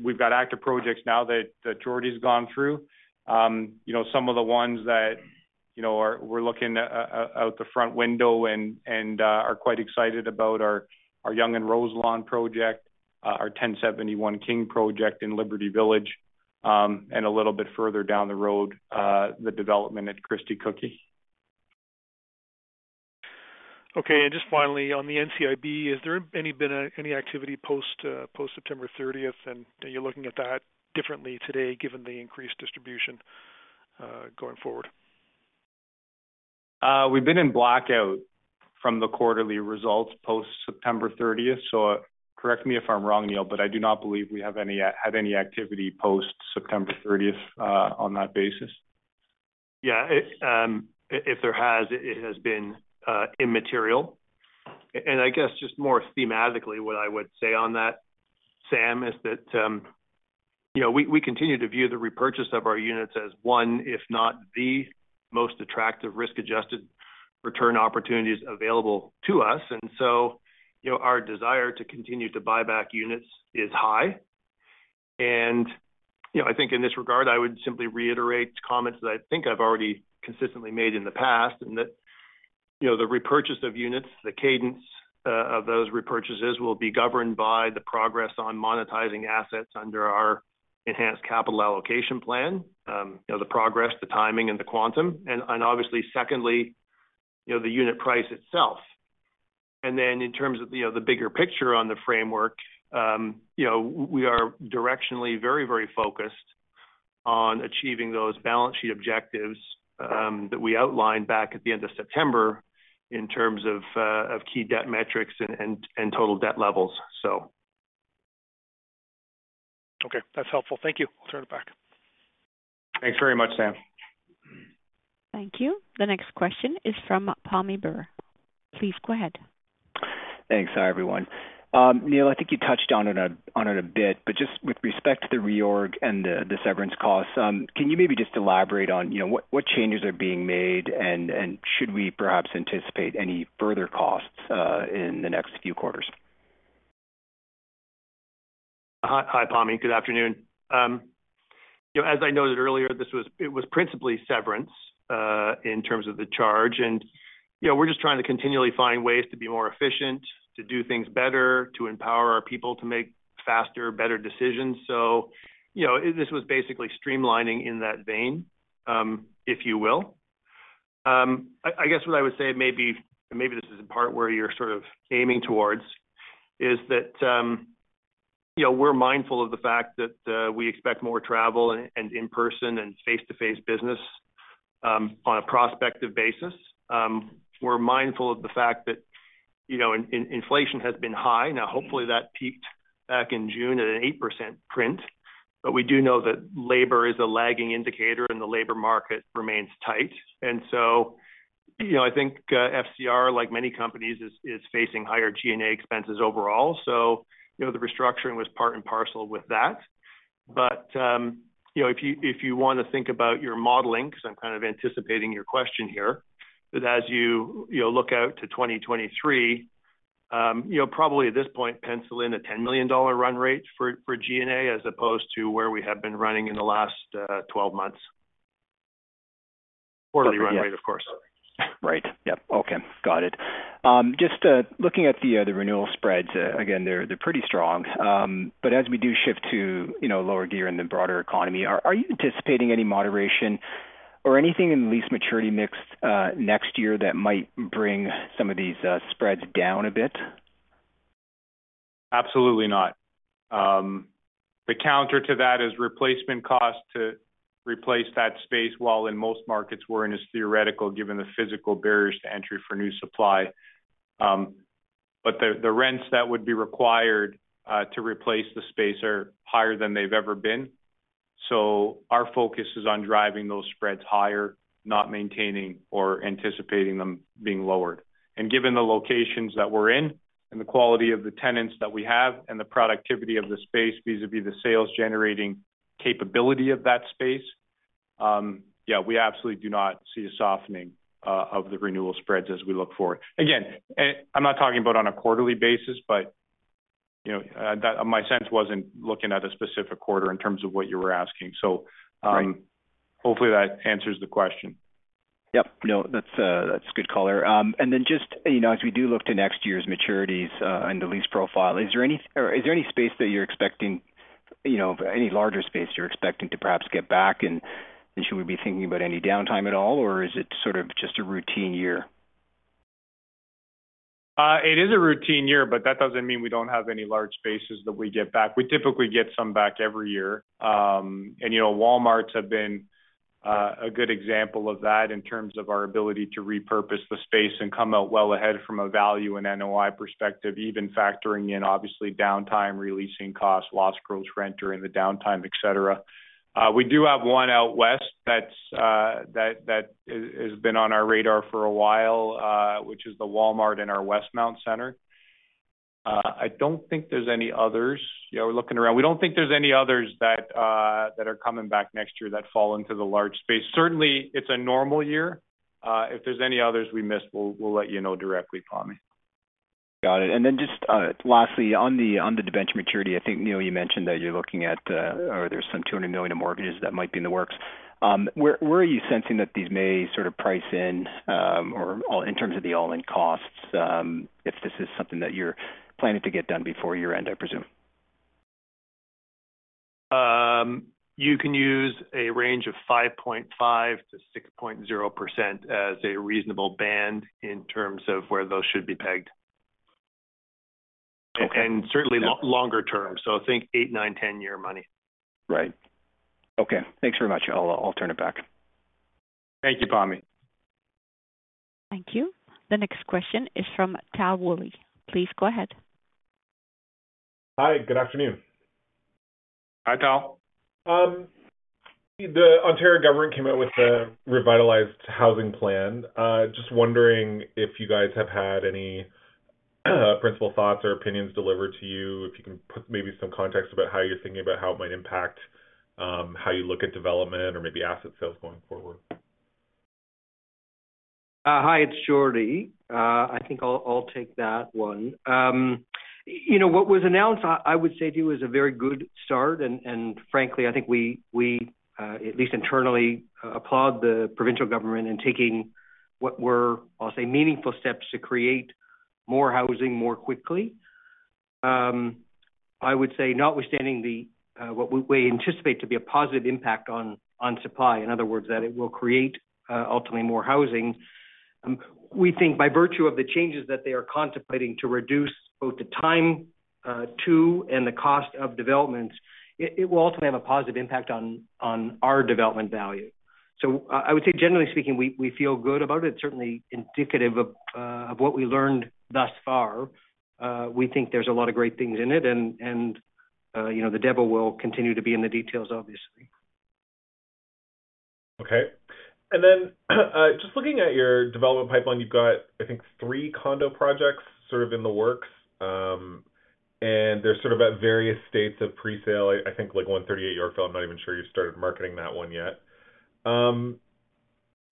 We've got active projects now that Jordan's gone through. You know, some of the ones that, you know, we're looking at out the front window and are quite excited about are our Yonge and Roselawn project, our 1071 King project in Liberty Village, and a little bit further down the road, the development at Christie Cookie. Okay. Just finally, on the NCIB, is there any activity post-September thirtieth? Are you looking at that differently today given the increased distribution going forward? We've been in blackout from the quarterly results post-September 30th. Correct me if I'm wrong, Neil, but I do not believe we have any activity post-September 30th, on that basis. It has been immaterial. I guess just more thematically, what I would say on that, Sam, is that, you know, we continue to view the repurchase of our units as one, if not the most attractive risk-adjusted return opportunities available to us. You know, our desire to continue to buy back units is high. You know, I think in this regard, I would simply reiterate comments that I think I've already consistently made in the past and that, you know, the repurchase of units, the cadence of those repurchases will be governed by the progress on monetizing assets under our enhanced capital allocation plan, you know, the progress, the timing, and the quantum. Obviously, secondly, you know, the unit price itself. in terms of, you know, the bigger picture on the framework, you know, we are directionally very, very focused on achieving those balance sheet objectives, that we outlined back at the end of September in terms of key debt metrics and total debt levels, so. Okay. That's helpful. Thank you. I'll turn it back. Thanks very much, Sam. Thank you. The next question is from Pammi Bir. Please go ahead. Thanks. Hi, everyone. Neil, I think you touched on it a bit, but just with respect to the reorg and the severance costs, can you maybe just elaborate on, you know, what changes are being made and should we perhaps anticipate any further costs in the next few quarters? Hi, Pammi. Good afternoon. You know, as I noted earlier, this was principally severance in terms of the charge. You know, we're just trying to continually find ways to be more efficient, to do things better, to empower our people to make faster, better decisions. You know, this was basically streamlining in that vein, if you will. I guess what I would say, maybe this is the part where you're sort of aiming towards, is that you know, we're mindful of the fact that we expect more travel and in-person and face-to-face business on a prospective basis. We're mindful of the fact that, you know, inflation has been high. Now, hopefully, that peaked back in June at an 8% print. We do know that labor is a lagging indicator, and the labor market remains tight. You know, I think, FCR, like many companies, is facing higher G&A expenses overall. You know, the restructuring was part and parcel with that. You know, if you want to think about your modeling, because I'm kind of anticipating your question here, that as you look out to 2023, you know, probably at this point, pencil in a 10 million dollar run rate for G&A as opposed to where we have been running in the last 12 months. Quarterly run rate, of course. Right. Yep. Okay. Got it. Just looking at the renewal spreads, again, they're pretty strong. As we do shift to, you know, lower gear in the broader economy, are you anticipating any moderation or anything in lease maturity mix next year that might bring some of these spreads down a bit? Absolutely not. The counter to that is replacement cost to replace that space while in most markets we're in is theoretical, given the physical barriers to entry for new supply. The rents that would be required to replace the space are higher than they've ever been. Our focus is on driving those spreads higher, not maintaining or anticipating them being lowered. Given the locations that we're in and the quality of the tenants that we have and the productivity of the space, vis-à-vis the sales-generating capability of that space, yeah, we absolutely do not see a softening of the renewal spreads as we look forward. Again, I'm not talking about on a quarterly basis, but you know that my sense wasn't looking at a specific quarter in terms of what you were asking. Right. Hopefully that answers the question. Yep. No, that's good color. Just, you know, as we do look to next year's maturities and the lease profile, is there any space that you're expecting, you know, any larger space you're expecting to perhaps get back, and should we be thinking about any downtime at all, or is it sort of just a routine year? It is a routine year, but that doesn't mean we don't have any large spaces that we get back. We typically get some back every year. You know, Walmart have been a good example of that in terms of our ability to repurpose the space and come out well ahead from a value and NOI perspective, even factoring in obviously downtime, releasing costs, lost gross rent during the downtime, et cetera. We do have one out west that's that has been on our radar for a while, which is the Walmart in our Westmount center. I don't think there's any others. You know, we're looking around. We don't think there's any others that that are coming back next year that fall into the large space. Certainly, it's a normal year. If there's any others we missed, we'll let you know directly, Pammi. Got it. Just lastly, on the debenture maturity, I think, Neil, you mentioned that you're looking at or there's some 200 million in mortgages that might be in the works. Where are you sensing that these may sort of price in or all-in in terms of the all-in costs, if this is something that you're planning to get done before year-end, I presume? You can use a range of 5.5 to 6.0 as a reasonable band in terms of where those should be pegged. Okay. Certainly longer term. Think eight, nine, 10-year money. Right. Okay. Thanks very much. I'll turn it back. Thank you, Pammi. Thank you. The next question is from Tal Woolley. Please go ahead. Hi, good afternoon. Hi, Tal. The Ontario government came out with a revitalized housing plan. Just wondering if you guys have had any principal thoughts or opinions delivered to you, if you can put maybe some context about how you're thinking about how it might impact, how you look at development or maybe asset sales going forward? Hi, it's Jordan. I think I'll take that one. You know, what was announced, I would say to you is a very good start. Frankly, I think we, at least internally, applaud the provincial government in taking what were, I'll say, meaningful steps to create more housing more quickly. I would say notwithstanding the what we anticipate to be a positive impact on supply, in other words, that it will create ultimately more housing, we think by virtue of the changes that they are contemplating to reduce both the time to and the cost of developments, it will ultimately have a positive impact on our development value. I would say generally speaking, we feel good about it, certainly indicative of what we learned thus far. We think there's a lot of great things in it and you know, the devil will continue to be in the details, obviously. Okay. Just looking at your development pipeline, you've got, I think, three condo projects sort of in the works, and they're sort of at various states of presale. I think like 138 Yorkville, I'm not even sure you've started marketing that one yet.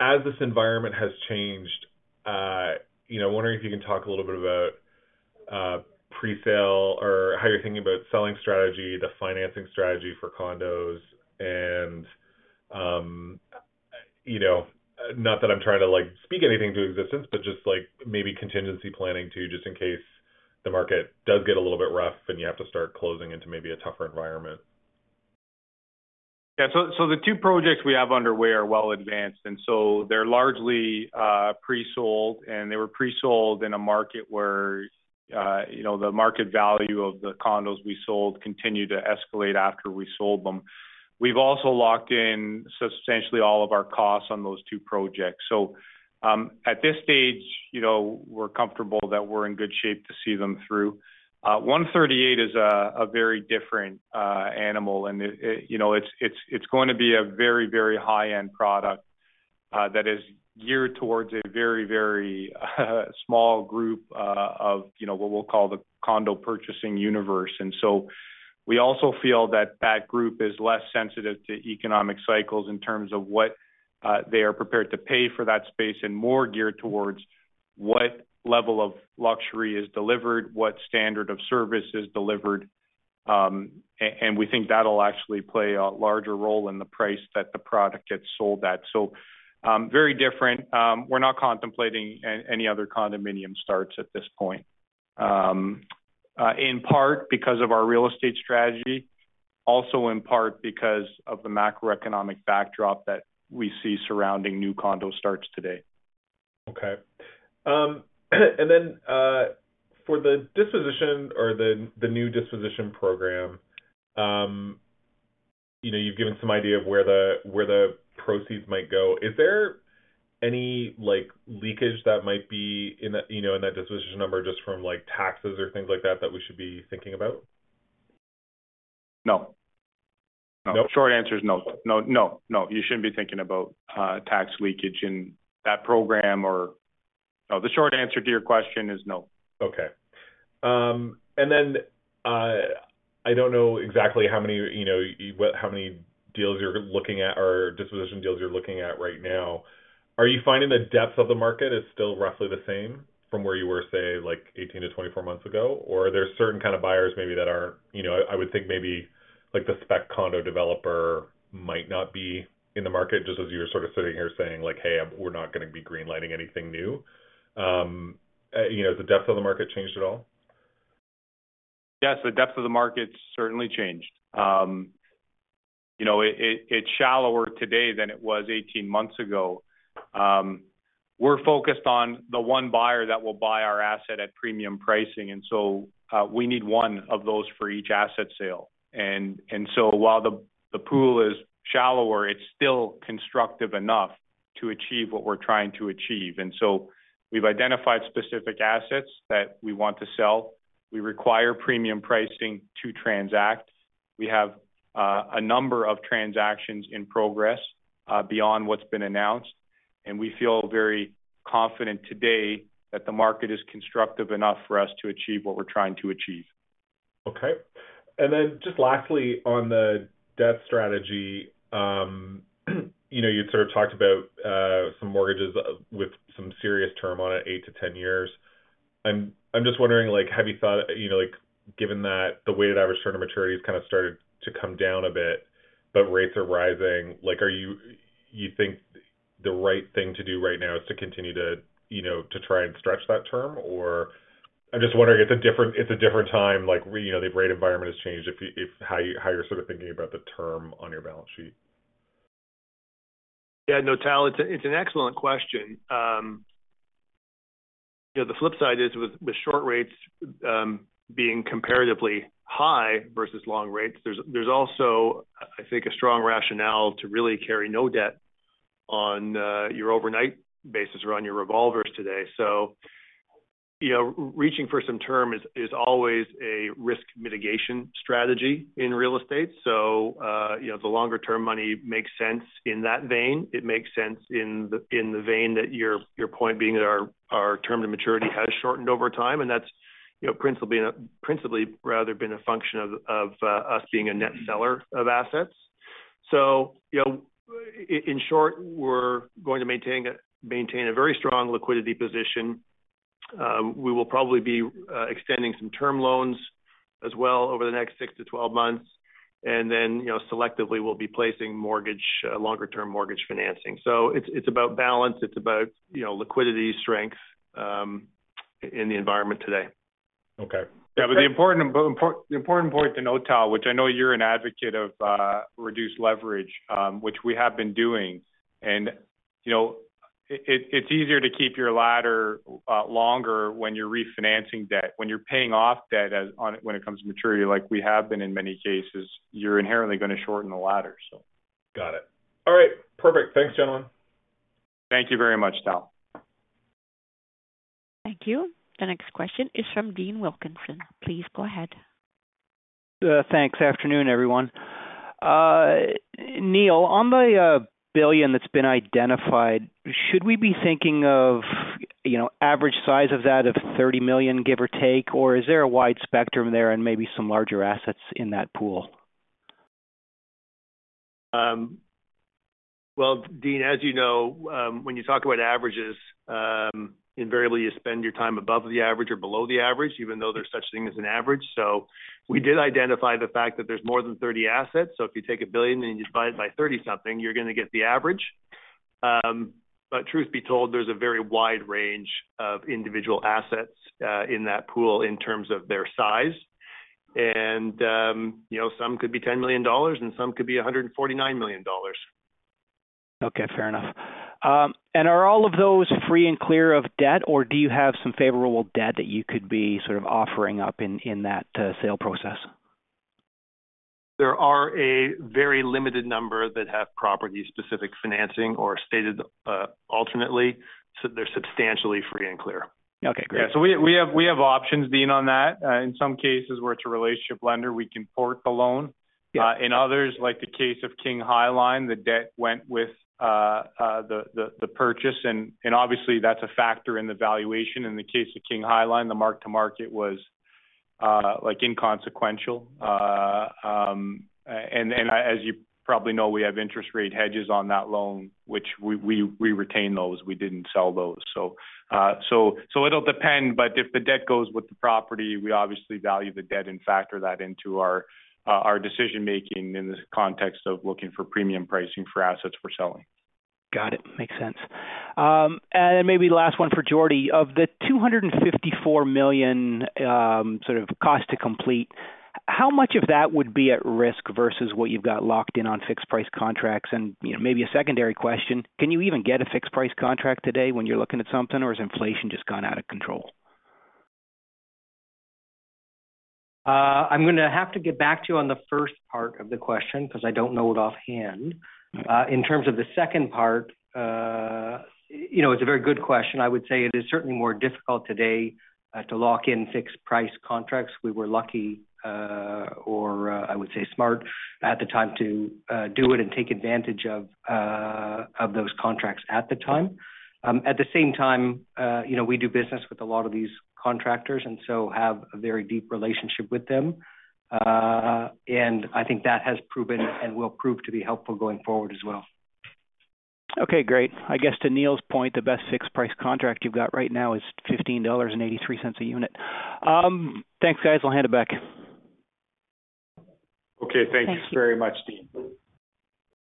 As this environment has changed, you know, wondering if you can talk a little bit about presale or how you're thinking about selling strategy, the financing strategy for condos, and, you know, not that I'm trying to, like, speak anything to existence, but just like maybe contingency planning just in case the market does get a little bit rough and you have to start closing into maybe a tougher environment. The two projects we have underway are well advanced, and they're largely presold, and they were presold in a market where, you know, the market value of the condos we sold continued to escalate after we sold them. We've also locked in substantially all of our costs on those two projects. At this stage, you know, we're comfortable that we're in good shape to see them through. 138 is a very different animal. It, you know, it's going to be a very, very high-end product that is geared towards a very, very small group of, you know, what we'll call the condo purchasing universe. We also feel that that group is less sensitive to economic cycles in terms of what they are prepared to pay for that space and more geared towards what level of luxury is delivered, what standard of service is delivered. And we think that'll actually play a larger role in the price that the product gets sold at. Very different. We're not contemplating any other condominium starts at this point, in part because of our real estate strategy, also in part because of the macroeconomic backdrop that we see surrounding new condo starts today. Okay. For the disposition or the new disposition program, you know, you've given some idea of where the proceeds might go. Is there any, like, leakage that might be in, you know, in that disposition number just from like taxes or things like that that we should be thinking about? No. No? The short answer is no. No. You shouldn't be thinking about tax leakage in that program. No, the short answer to your question is no. Okay. I don't know exactly how many, you know, how many deals you're looking at or disposition deals you're looking at right now. Are you finding the depth of the market is still roughly the same from where you were, say, like 18 to 24 months ago? Or are there certain kind of buyers maybe that are, you know, I would think maybe like the spec condo developer might not be in the market just as you were sort of sitting here saying like, "Hey, we're not gonna be green-lighting anything new." You know, has the depth of the market changed at all? Yes, the depth of the market's certainly changed. It's shallower today than it was 18 months ago. We're focused on the one buyer that will buy our asset at premium pricing, and so we need one of those for each asset sale. While the pool is shallower, it's still constructive enough to achieve what we're trying to achieve. We've identified specific assets that we want to sell. We require premium pricing to transact. We have a number of transactions in progress beyond what's been announced, and we feel very confident today that the market is constructive enough for us to achieve what we're trying to achieve. Okay. Just lastly, on the debt strategy, you know, you sort of talked about some mortgages with some serious term on it, eight to 10 years. I'm just wondering, like, have you thought, you know, like, given that the weighted average term of maturity has kind of started to come down a bit, but rates are rising. Like, do you think the right thing to do right now is to continue to, you know, to try and stretch that term? I'm just wondering if it's a different time, like, you know, the rate environment has changed, if how you're sort of thinking about the term on your balance sheet. Yeah. No, Tal, it's an excellent question. You know, the flip side is with short rates being comparatively high versus long rates, there's also, I think, a strong rationale to really carry no debt on your overnight basis or on your revolvers today. You know, reaching for some term is always a risk mitigation strategy in real estate. You know, the longer-term money makes sense in that vein. It makes sense in the vein that your point being that our term to maturity has shortened over time, and that's principally rather been a function of us being a net seller of assets. You know, in short, we're going to maintain a very strong liquidity position. We will probably be extending some term loans as well over the next six to 12 months. Then, you know, selectively we'll be placing mortgage longer term mortgage financing. It's about balance. It's about, you know, liquidity strength in the environment today. Okay. Yeah. The important point to note, Tal, which I know you're an advocate of, reduced leverage, which we have been doing. You know, it's easier to keep your ladder longer when you're refinancing debt. When you're paying off debt on it, when it comes to maturity, like we have been in many cases, you're inherently gonna shorten the ladder. Got it. All right. Perfect. Thanks, gentlemen. Thank you very much, Tal. Thank you. The next question is from Dean Wilkinson. Please go ahead. Thanks. Afternoon, everyone. Neil, on the 1 billion that's been identified, should we be thinking of, you know, average size of that 30 million, give or take, or is there a wide spectrum there and maybe some larger assets in that pool? Well, Dean, as you know, when you talk about averages, invariably you spend your time above the average or below the average, even though there's such thing as an average. We did identify the fact that there's more than 30 assets. If you take 1 billion and you divide it by 30-something, you're gonna get the average. Truth be told, there's a very wide range of individual assets in that pool in terms of their size. You know, some could be 10 million dollars, and some could be 149 million dollars. Okay, fair enough. Are all of those free and clear of debt, or do you have some favorable debt that you could be sort of offering up in that sale process? There are a very limited number that have property-specific financing or stated, alternately, so they're substantially free and clear. Okay, great. Yeah. We have options, Dean, on that. In some cases, where it's a relationship lender, we can port the loan. Yeah. In others, like the case of King High Line, the debt went with the purchase and obviously that's a factor in the valuation. In the case of King High Line, the mark-to-market was like inconsequential. As you probably know, we have interest rate hedges on that loan, which we retain those. We didn't sell those. It'll depend. If the debt goes with the property, we obviously value the debt and factor that into our decision-making in the context of looking for premium pricing for assets we're selling. Got it. Makes sense. Maybe last one for Jordan. Of the 254 million sort of cost to complete, how much of that would be at risk versus what you've got locked in on fixed price contracts? You know, maybe a secondary question, can you even get a fixed price contract today when you're looking at something, or has inflation just gone out of control? I'm gonna have to get back to you on the first part of the question because I don't know it offhand. In terms of the second part, you know, it's a very good question. I would say it is certainly more difficult today to lock in fixed price contracts. We were lucky or I would say smart at the time to do it and take advantage of those contracts at the time. At the same time, you know, we do business with a lot of these contractors and so have a very deep relationship with them. I think that has proven and will prove to be helpful going forward as well. Okay, great. I guess to Neil's point, the best fixed price contract you've got right now is 15.83 dollars a unit. Thanks, guys. I'll hand it back. Okay. Thank you very much, Dean.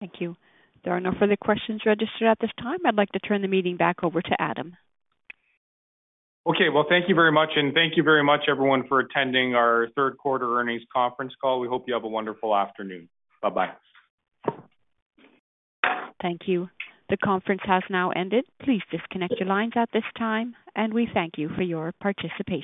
Thank you. There are no further questions registered at this time. I'd like to turn the meeting back over to Adam. Okay. Well, thank you very much. Thank you very much, everyone, for attending our Q3 Earnings Conference Call. We hope you have a wonderful afternoon. Bye-bye. Thank you. The conference has now ended. Please disconnect your lines at this time, and we thank you for your participation.